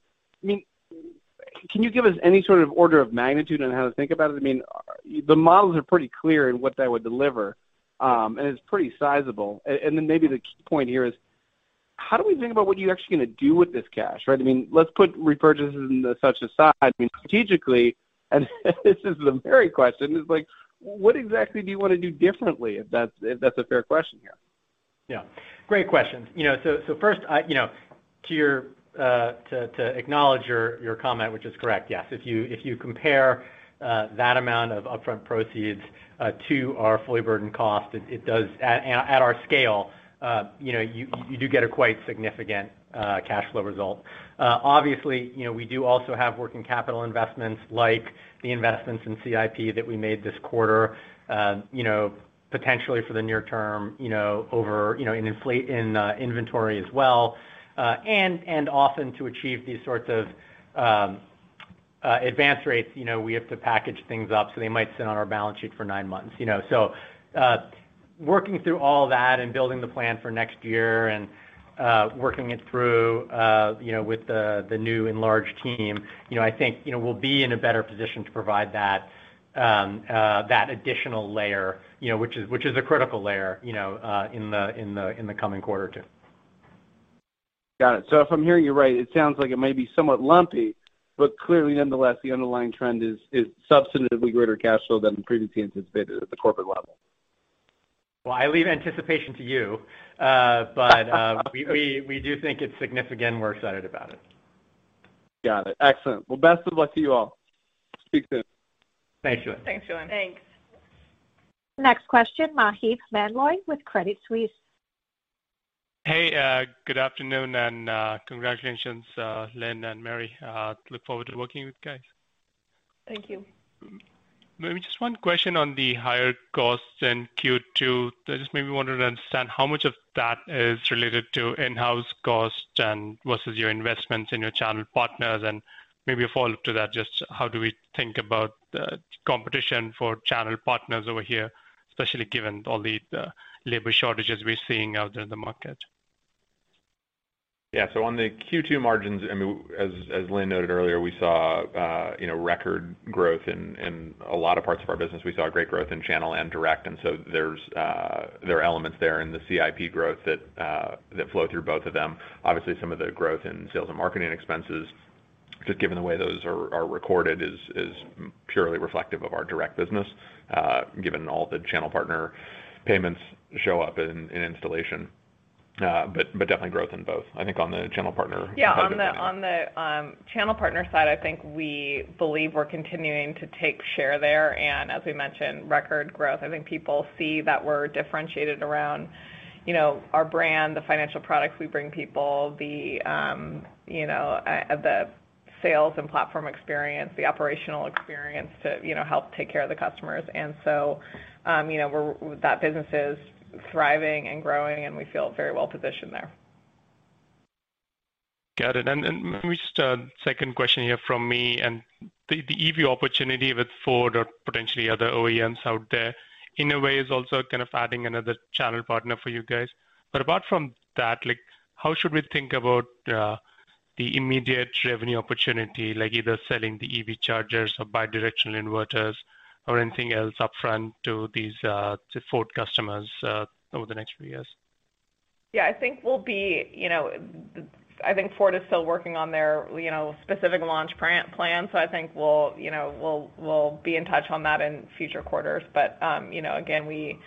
Speaker 13: Can you give us any sort of order of magnitude on how to think about it? The models are pretty clear in what that would deliver. It's pretty sizable. Maybe the key point here is how do we think about what you're actually going to do with this cash, right? Let's put repurchases and such aside. Strategically, this is the Mary question, is what exactly do you want to do differently, if that's a fair question here?
Speaker 5: Yeah. Great question. First, to acknowledge your comment, which is correct. Yes. If you compare that amount of upfront proceeds to our fully burdened cost at our scale, you do get a quite significant cash flow result. Obviously, we do also have working capital investments like the investments in CIP that we made this quarter, potentially for the near term, in inventory as well. Often to achieve these sorts of advance rates, we have to package things up, so they might sit on our balance sheet for nine months. Working through all that and building the plan for next year and working it through with the new enlarged team, I think we'll be in a better position to provide that additional layer, which is a critical layer, in the coming quarter or two.
Speaker 13: Got it. If I'm hearing you right, it sounds like it may be somewhat lumpy, but clearly nonetheless, the underlying trend is substantively greater cash flow than previously anticipated at the corporate level.
Speaker 5: Well, I leave anticipation to you. We do think it's significant. We're excited about it.
Speaker 13: Got it. Excellent. Well, best of luck to you all. Speak soon.
Speaker 5: Thanks, Julien.
Speaker 3: Thanks, Julien.
Speaker 1: Thanks. Next question, Maheep Mandloi with Credit Suisse.
Speaker 14: Hey, good afternoon, and congratulations, Lynn and Mary. Look forward to working with you guys.
Speaker 3: Thank you.
Speaker 14: Maybe just one question on the higher costs in Q2. I just maybe wanted to understand how much of that is related to in-house cost and versus your investments in your channel partners. Maybe a follow-up to that, just how do we think about the competition for channel partners over here, especially given all the labor shortages we're seeing out there in the market?
Speaker 5: Yeah. On the Q2 margins, as Lynn noted earlier, we saw record growth in a lot of parts of our business. We saw great growth in channel and direct, there are elements there in the CIP growth that flow through both of them. Obviously, some of the growth in sales and marketing expenses, just given the way those are recorded, is purely reflective of our direct business, given all the channel partner payments show up in installation. Definitely growth in both, I think on the channel partner.
Speaker 3: Yeah. On the channel partner side, I think we believe we're continuing to take share there. As we mentioned, record growth. I think people see that we're differentiated around our brand, the financial products we bring people, the sales and platform experience, the operational experience to help take care of the customers. That business is thriving and growing, and we feel very well-positioned there.
Speaker 14: Got it. Maybe just a second question here from me, the EV opportunity with Ford or potentially other OEMs out there, in a way, is also kind of adding another channel partner for you guys. Apart from that, how should we think about the immediate revenue opportunity, like either selling the EV chargers or bidirectional inverters or anything else upfront to these Ford customers over the next few years?
Speaker 3: Yeah. I think Ford is still working on their specific launch plan. I think we'll be in touch on that in future quarters. Again, we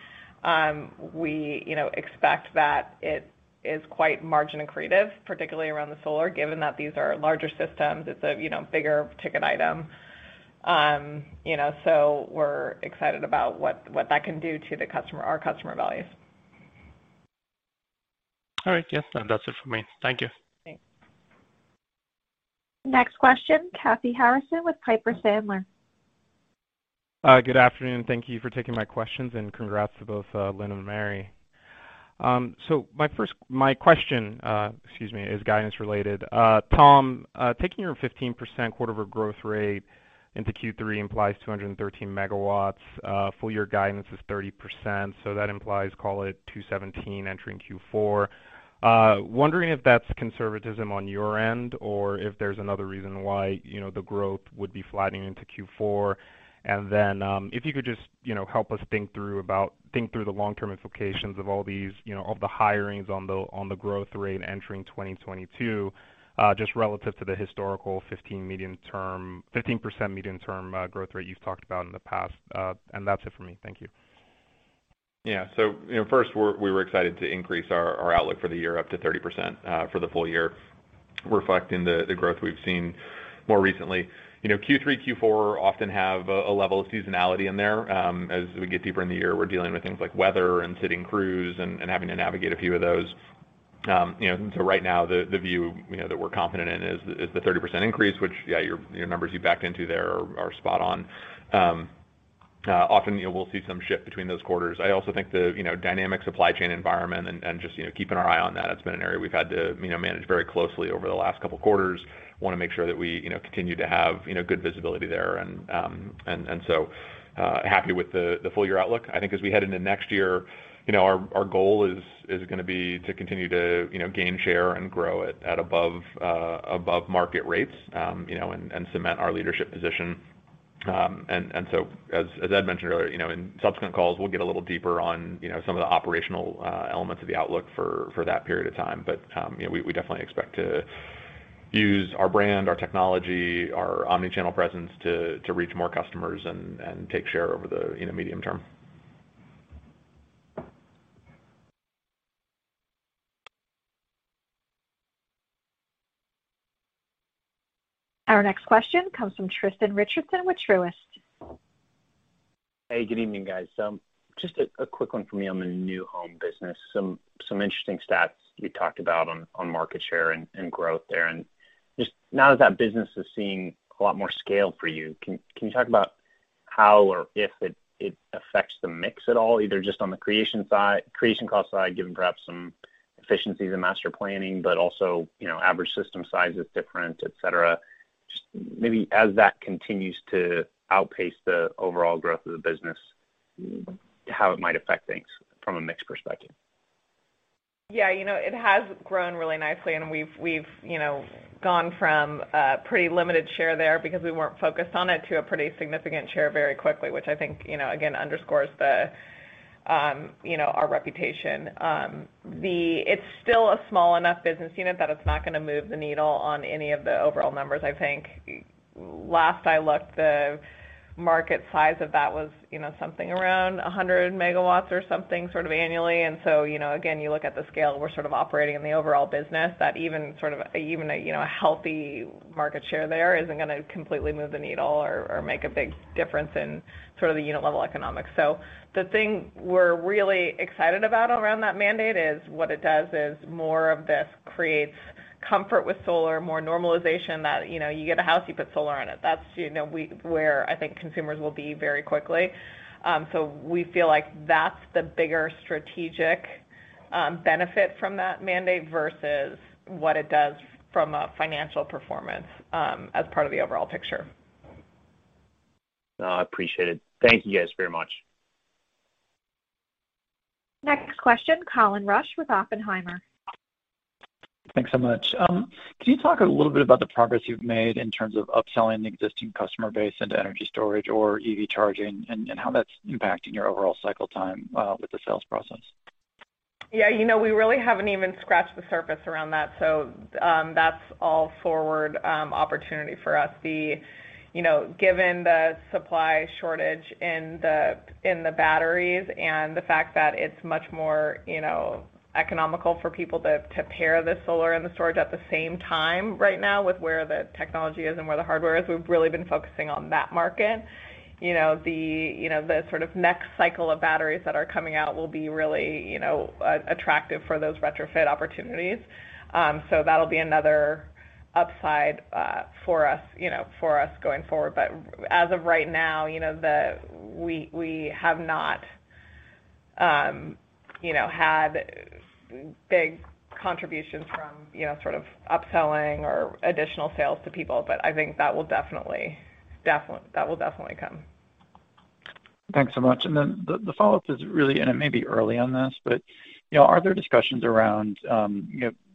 Speaker 3: expect that it is quite margin accretive, particularly around the solar, given that these are larger systems. It's a bigger ticket item. We're excited about what that can do to our customer values.
Speaker 14: All right. Yes. That's it for me. Thank you.
Speaker 3: Thanks.
Speaker 1: Next question, Kashy Harrison with Piper Sandler.
Speaker 15: Good afternoon. Thank you for taking my questions and congrats to both Lynn and Mary. My question is guidance related. Tom, taking your 15% quarter-over-quarter growth rate into Q3 implies 213 megawatts. Full year guidance is 30%. That implies call it 217 entering Q4. I'm wondering if that's conservatism on your end or if there's another reason why the growth would be flattening into Q4. Then if you could just help us think through the long-term implications of all the hirings on the growth rate entering 2022, just relative to the historical 15% medium-term growth rate you've talked about in the past. That's it for me. Thank you.
Speaker 6: Yeah. First, we were excited to increase our outlook for the year up to 30% for the full year, reflecting the growth we've seen more recently. Q3, Q4 often have a level of seasonality in there. As we get deeper in the year, we're dealing with things like weather and sitting crews and having to navigate a few of those. Right now the view that we're confident in is the 30% increase, which, yeah, your numbers you backed into there are spot on. Often we'll see some shift between those quarters. I also think the dynamic supply chain environment and just keeping our eye on that, it's been an area we've had to manage very closely over the last couple quarters. Want to make sure that we continue to have good visibility there and happy with the full year outlook. I think as we head into next year, our goal is going to be to continue to gain share and grow at above market rates and cement our leadership position. As Ed mentioned earlier, in subsequent calls we'll get a little deeper on some of the operational elements of the outlook for that period of time. We definitely expect to use our brand, our technology, our omni-channel presence to reach more customers and take share over the medium term.
Speaker 1: Our next question comes from Tristan Richardson with Truist.
Speaker 16: Hey, good evening, guys. Just a quick one for me on the new home business. Some interesting stats you talked about on market share and growth there. Just now that that business is seeing a lot more scale for you, can you talk about how or if it affects the mix at all, either just on the creation cost side, given perhaps some efficiencies in master planning, but also average system size is different, et cetera. Just maybe as that continues to outpace the overall growth of the business, how it might affect things from a mix perspective.
Speaker 3: Yeah. It has grown really nicely and we've gone from a pretty limited share there because we weren't focused on it to a pretty significant share very quickly, which I think, again, underscores our reputation. It's still a small enough business unit that it's not going to move the needle on any of the overall numbers, I think. Last I looked, the market size of that was something around 100 megawatts or something sort of annually. Again, you look at the scale we're sort of operating in the overall business that even a healthy market share there isn't going to completely move the needle or make a big difference in sort of the unit level economics. The thing we're really excited about around that mandate is what it does is more of this creates comfort with solar, more normalization that you get a house, you put solar on it. That's where I think consumers will be very quickly. We feel like that's the bigger strategic benefit from that mandate versus what it does from a financial performance as part of the overall picture.
Speaker 16: No, I appreciate it. Thank you guys very much.
Speaker 1: Next question, Colin Rusch with Oppenheimer.
Speaker 17: Thanks so much. Can you talk a little bit about the progress you've made in terms of upselling the existing customer base into energy storage or EV charging and how that's impacting your overall cycle time with the sales process?
Speaker 3: Yeah. We really haven't even scratched the surface around that. That's all forward opportunity for us. Given the supply shortage in the batteries and the fact that it's much more economical for people to pair the solar and the storage at the same time right now with where the technology is and where the hardware is, we've really been focusing on that market. The sort of next cycle of batteries that are coming out will be really attractive for those retrofit opportunities. That'll be another upside for us going forward. As of right now, we have not had big contributions from upselling or additional sales to people. I think that will definitely come.
Speaker 17: Thanks so much. Then the follow-up is really, and it may be early on this, but are there discussions around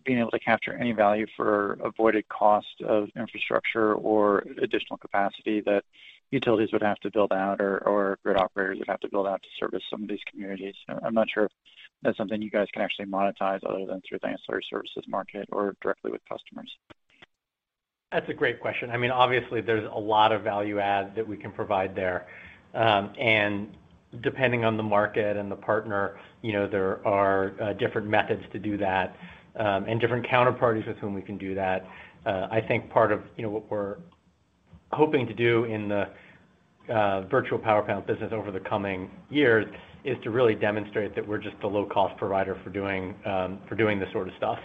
Speaker 17: being able to capture any value for avoided cost of infrastructure or additional capacity that utilities would have to build out or grid operators would have to build out to service some of these communities? I'm not sure if that's something you guys can actually monetize other than through the ancillary services market or directly with customers.
Speaker 5: That's a great question. Obviously, there's a lot of value add that we can provide there. Depending on the market and the partner, there are different methods to do that, and different counterparties with whom we can do that. I think part of what we're hoping to do in the virtual power plant business over the coming years is to really demonstrate that we're just the low-cost provider for doing this sort of stuff,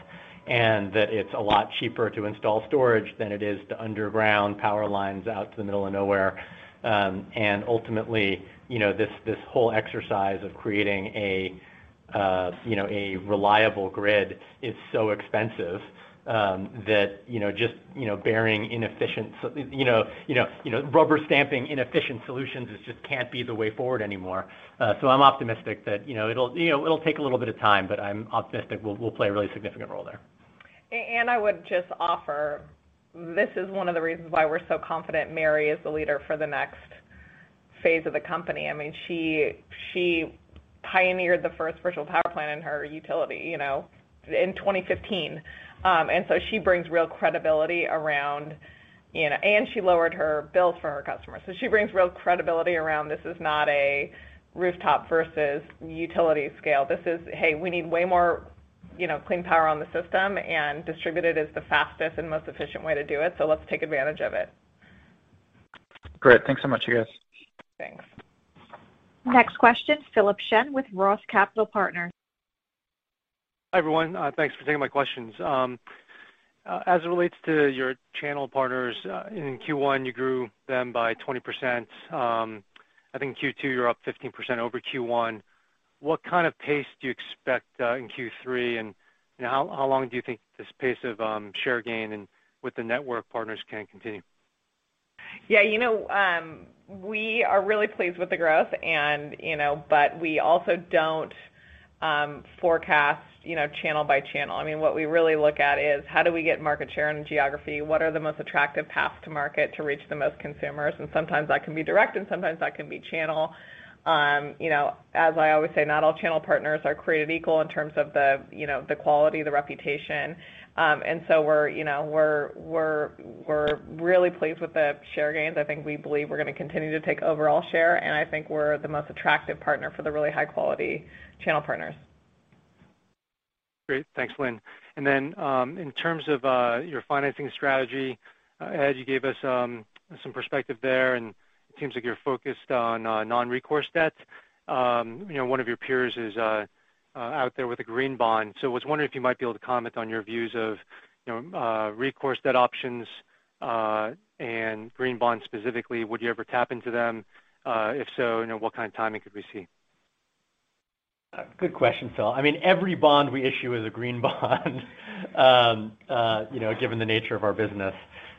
Speaker 5: and that it's a lot cheaper to install storage than it is to underground power lines out to the middle of nowhere. Ultimately, this whole exercise of creating a reliable grid is so expensive that just bearing rubber stamping inefficient solutions just can't be the way forward anymore. I'm optimistic that it'll take a little bit of time, but I'm optimistic we'll play a really significant role there.
Speaker 3: I would just offer, this is one of the reasons why we're so confident Mary Powell is the leader for the next phase of the company. She pioneered the first virtual power plant in her utility in 2015. She lowered her bills for her customers. She brings real credibility around this is not a rooftop versus utility scale. This is, hey, we need way more clean power on the system, and distributed is the fastest and most efficient way to do it, so let's take advantage of it.
Speaker 17: Great. Thanks so much, you guys.
Speaker 3: Thanks.
Speaker 1: Next question, Philip Shen with ROTH Capital Partners.
Speaker 18: Hi, everyone. Thanks for taking my questions. As it relates to your channel partners, in Q1, you grew them by 20%. I think in Q2, you're up 15% over Q1. What kind of pace do you expect in Q3, and how long do you think this pace of share gain and with the network partners can continue?
Speaker 3: Yeah. We are really pleased with the growth, but we also don't forecast channel by channel. What we really look at is how do we get market share and geography? What are the most attractive paths to market to reach the most consumers? Sometimes that can be direct, sometimes that can be channel. As I always say, not all channel partners are created equal in terms of the quality, the reputation. We're really pleased with the share gains. I think we believe we're going to continue to take overall share, and I think we're the most attractive partner for the really high-quality channel partners.
Speaker 18: Great. Thanks, Lynn. In terms of your financing strategy, Ed, you gave us some perspective there, and it seems like you're focused on non-recourse debts. One of your peers is out there with a green bond. I was wondering if you might be able to comment on your views of recourse debt options and green bonds specifically. Would you ever tap into them? If so, what kind of timing could we see?
Speaker 5: Good question, Phil. Every bond we issue is a green bond given the nature of our business.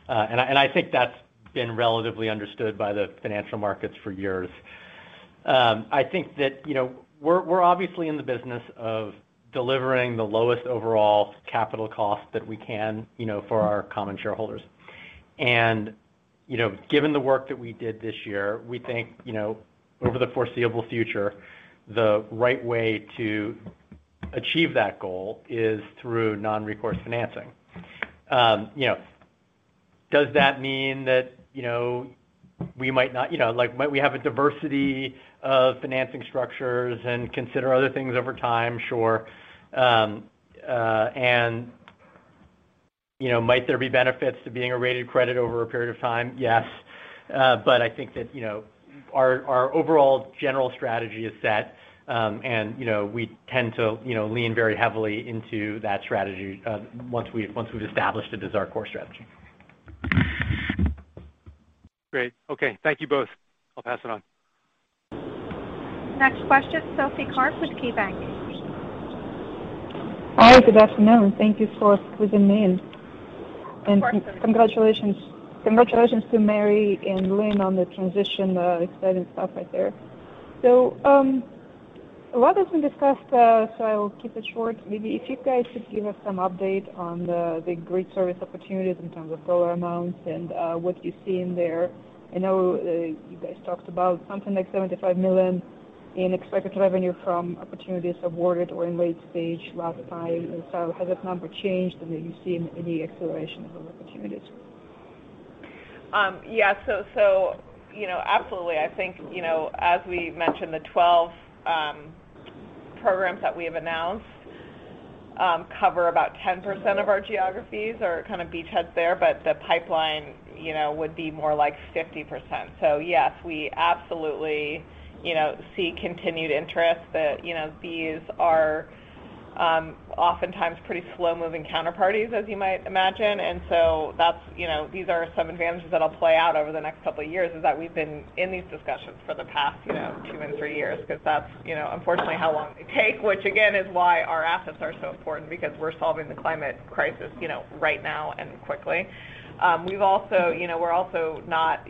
Speaker 5: I think that's been relatively understood by the financial markets for years. I think that we're obviously in the business of delivering the lowest overall capital cost that we can for our common shareholders. Given the work that we did this year, we think over the foreseeable future, the right way to achieve that goal is through non-recourse financing. Does that mean that might we have a diversity of financing structures and consider other things over time? Sure. Might there be benefits to being a rated credit over a period of time? Yes. I think that our overall general strategy is set, and we tend to lean very heavily into that strategy once we've established it as our core strategy.
Speaker 18: Great. Okay. Thank you both. I'll pass it on.
Speaker 1: Next question, Sophie Karp with KeyBanc.
Speaker 19: Hi, good afternoon. Thank you for squeezing me in.
Speaker 3: Of course.
Speaker 19: Congratulations to Mary and Lynn on the transition. Exciting stuff right there. A lot has been discussed, so I will keep it short. Maybe if you guys could give us some update on the grid service opportunities in terms of dollar amounts and what you see in there. I know you guys talked about something like $75 million in expected revenue from opportunities awarded or in late stage last time. Has that number changed? Have you seen any acceleration of those opportunities?
Speaker 3: Absolutely. I think, as we mentioned, the 12 programs that we have announced cover about 10% of our geographies or beachheads there. The pipeline would be more like 50%. Yes, we absolutely see continued interest. These are oftentimes pretty slow-moving counterparties, as you might imagine. These are some advantages that'll play out over the next couple of years, is that we've been in these discussions for the past two and three years, because that's unfortunately how long they take, which again, is why our assets are so important because we're solving the climate crisis right now and quickly. We're also not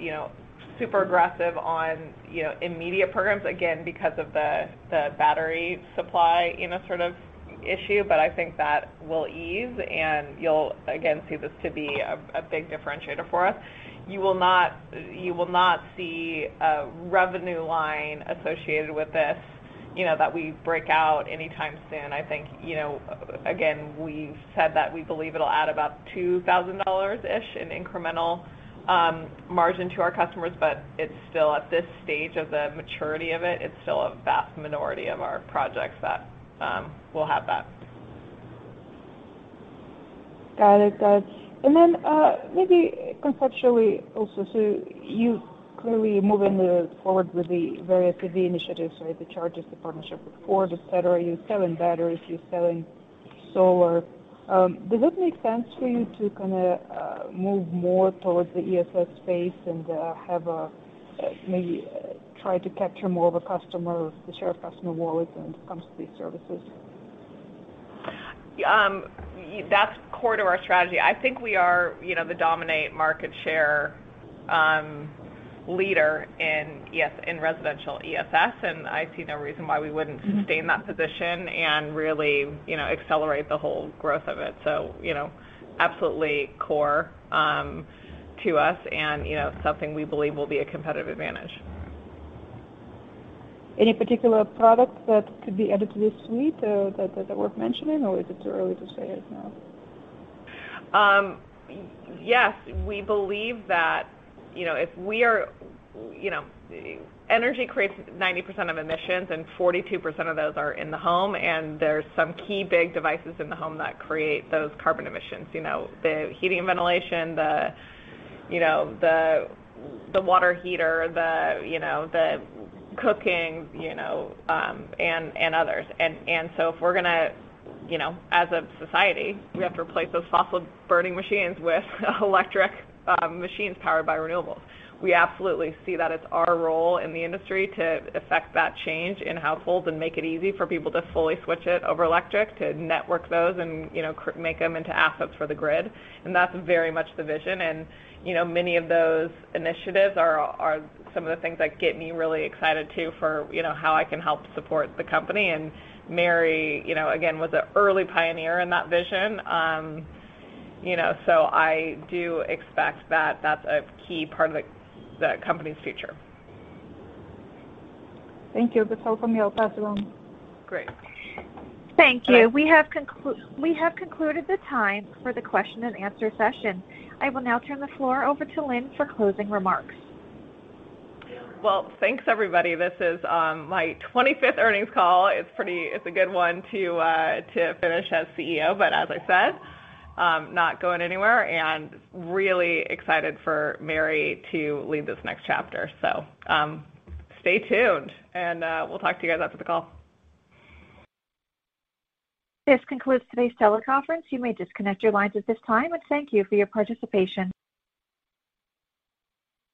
Speaker 3: super aggressive on immediate programs, again, because of the battery supply sort of issue. I think that will ease and you'll, again, see this to be a big differentiator for us. You will not see a revenue line associated with this that we break out anytime soon. I think, again, we've said that we believe it'll add about $2,000-ish in incremental margin to our customers, but it's still at this stage of the maturity of it's still a vast minority of our projects that will have that.
Speaker 19: Got it. Maybe conceptually also, you clearly moving forward with the various EV initiatives, right? The charges, the partnership with Ford, et cetera. You're selling batteries, you're selling solar. Does it make sense for you to move more towards the ESS space and maybe try to capture more of the share of customer wallet when it comes to these services?
Speaker 3: That's core to our strategy. I think we are the dominant market share leader in residential ESS, and I see no reason why we wouldn't sustain that position and really accelerate the whole growth of it. Absolutely core to us and something we believe will be a competitive advantage.
Speaker 19: Any particular product that could be added to the suite that is worth mentioning or is it too early to say it now?
Speaker 3: Yes. Energy creates 90% of emissions and 42% of those are in the home. There's some key big devices in the home that create those carbon emissions. The heating, ventilation, the water heater, the cooking, and others. As a society, we have to replace those fossil burning machines with electric machines powered by renewables. We absolutely see that it's our role in the industry to affect that change in households and make it easy for people to fully switch it over electric, to network those and make them into assets for the grid. That's very much the vision. Many of those initiatives are some of the things that get me really excited too, for how I can help support the company. Mary, again, was an early pioneer in that vision. I do expect that that's a key part of the company's future.
Speaker 19: Thank you. That's all from me. I'll pass it on.
Speaker 3: Great.
Speaker 1: Thank you. We have concluded the time for the question and answer session. I will now turn the floor over to Lynn for closing remarks.
Speaker 3: Well, thanks everybody. This is my 25th earnings call. It's a good one to finish as CEO, as I said, I'm not going anywhere and really excited for Mary to lead this next chapter. Stay tuned and we'll talk to you guys after the call.
Speaker 1: This concludes today's teleconference. You may disconnect your lines at this time, and thank you for your participation.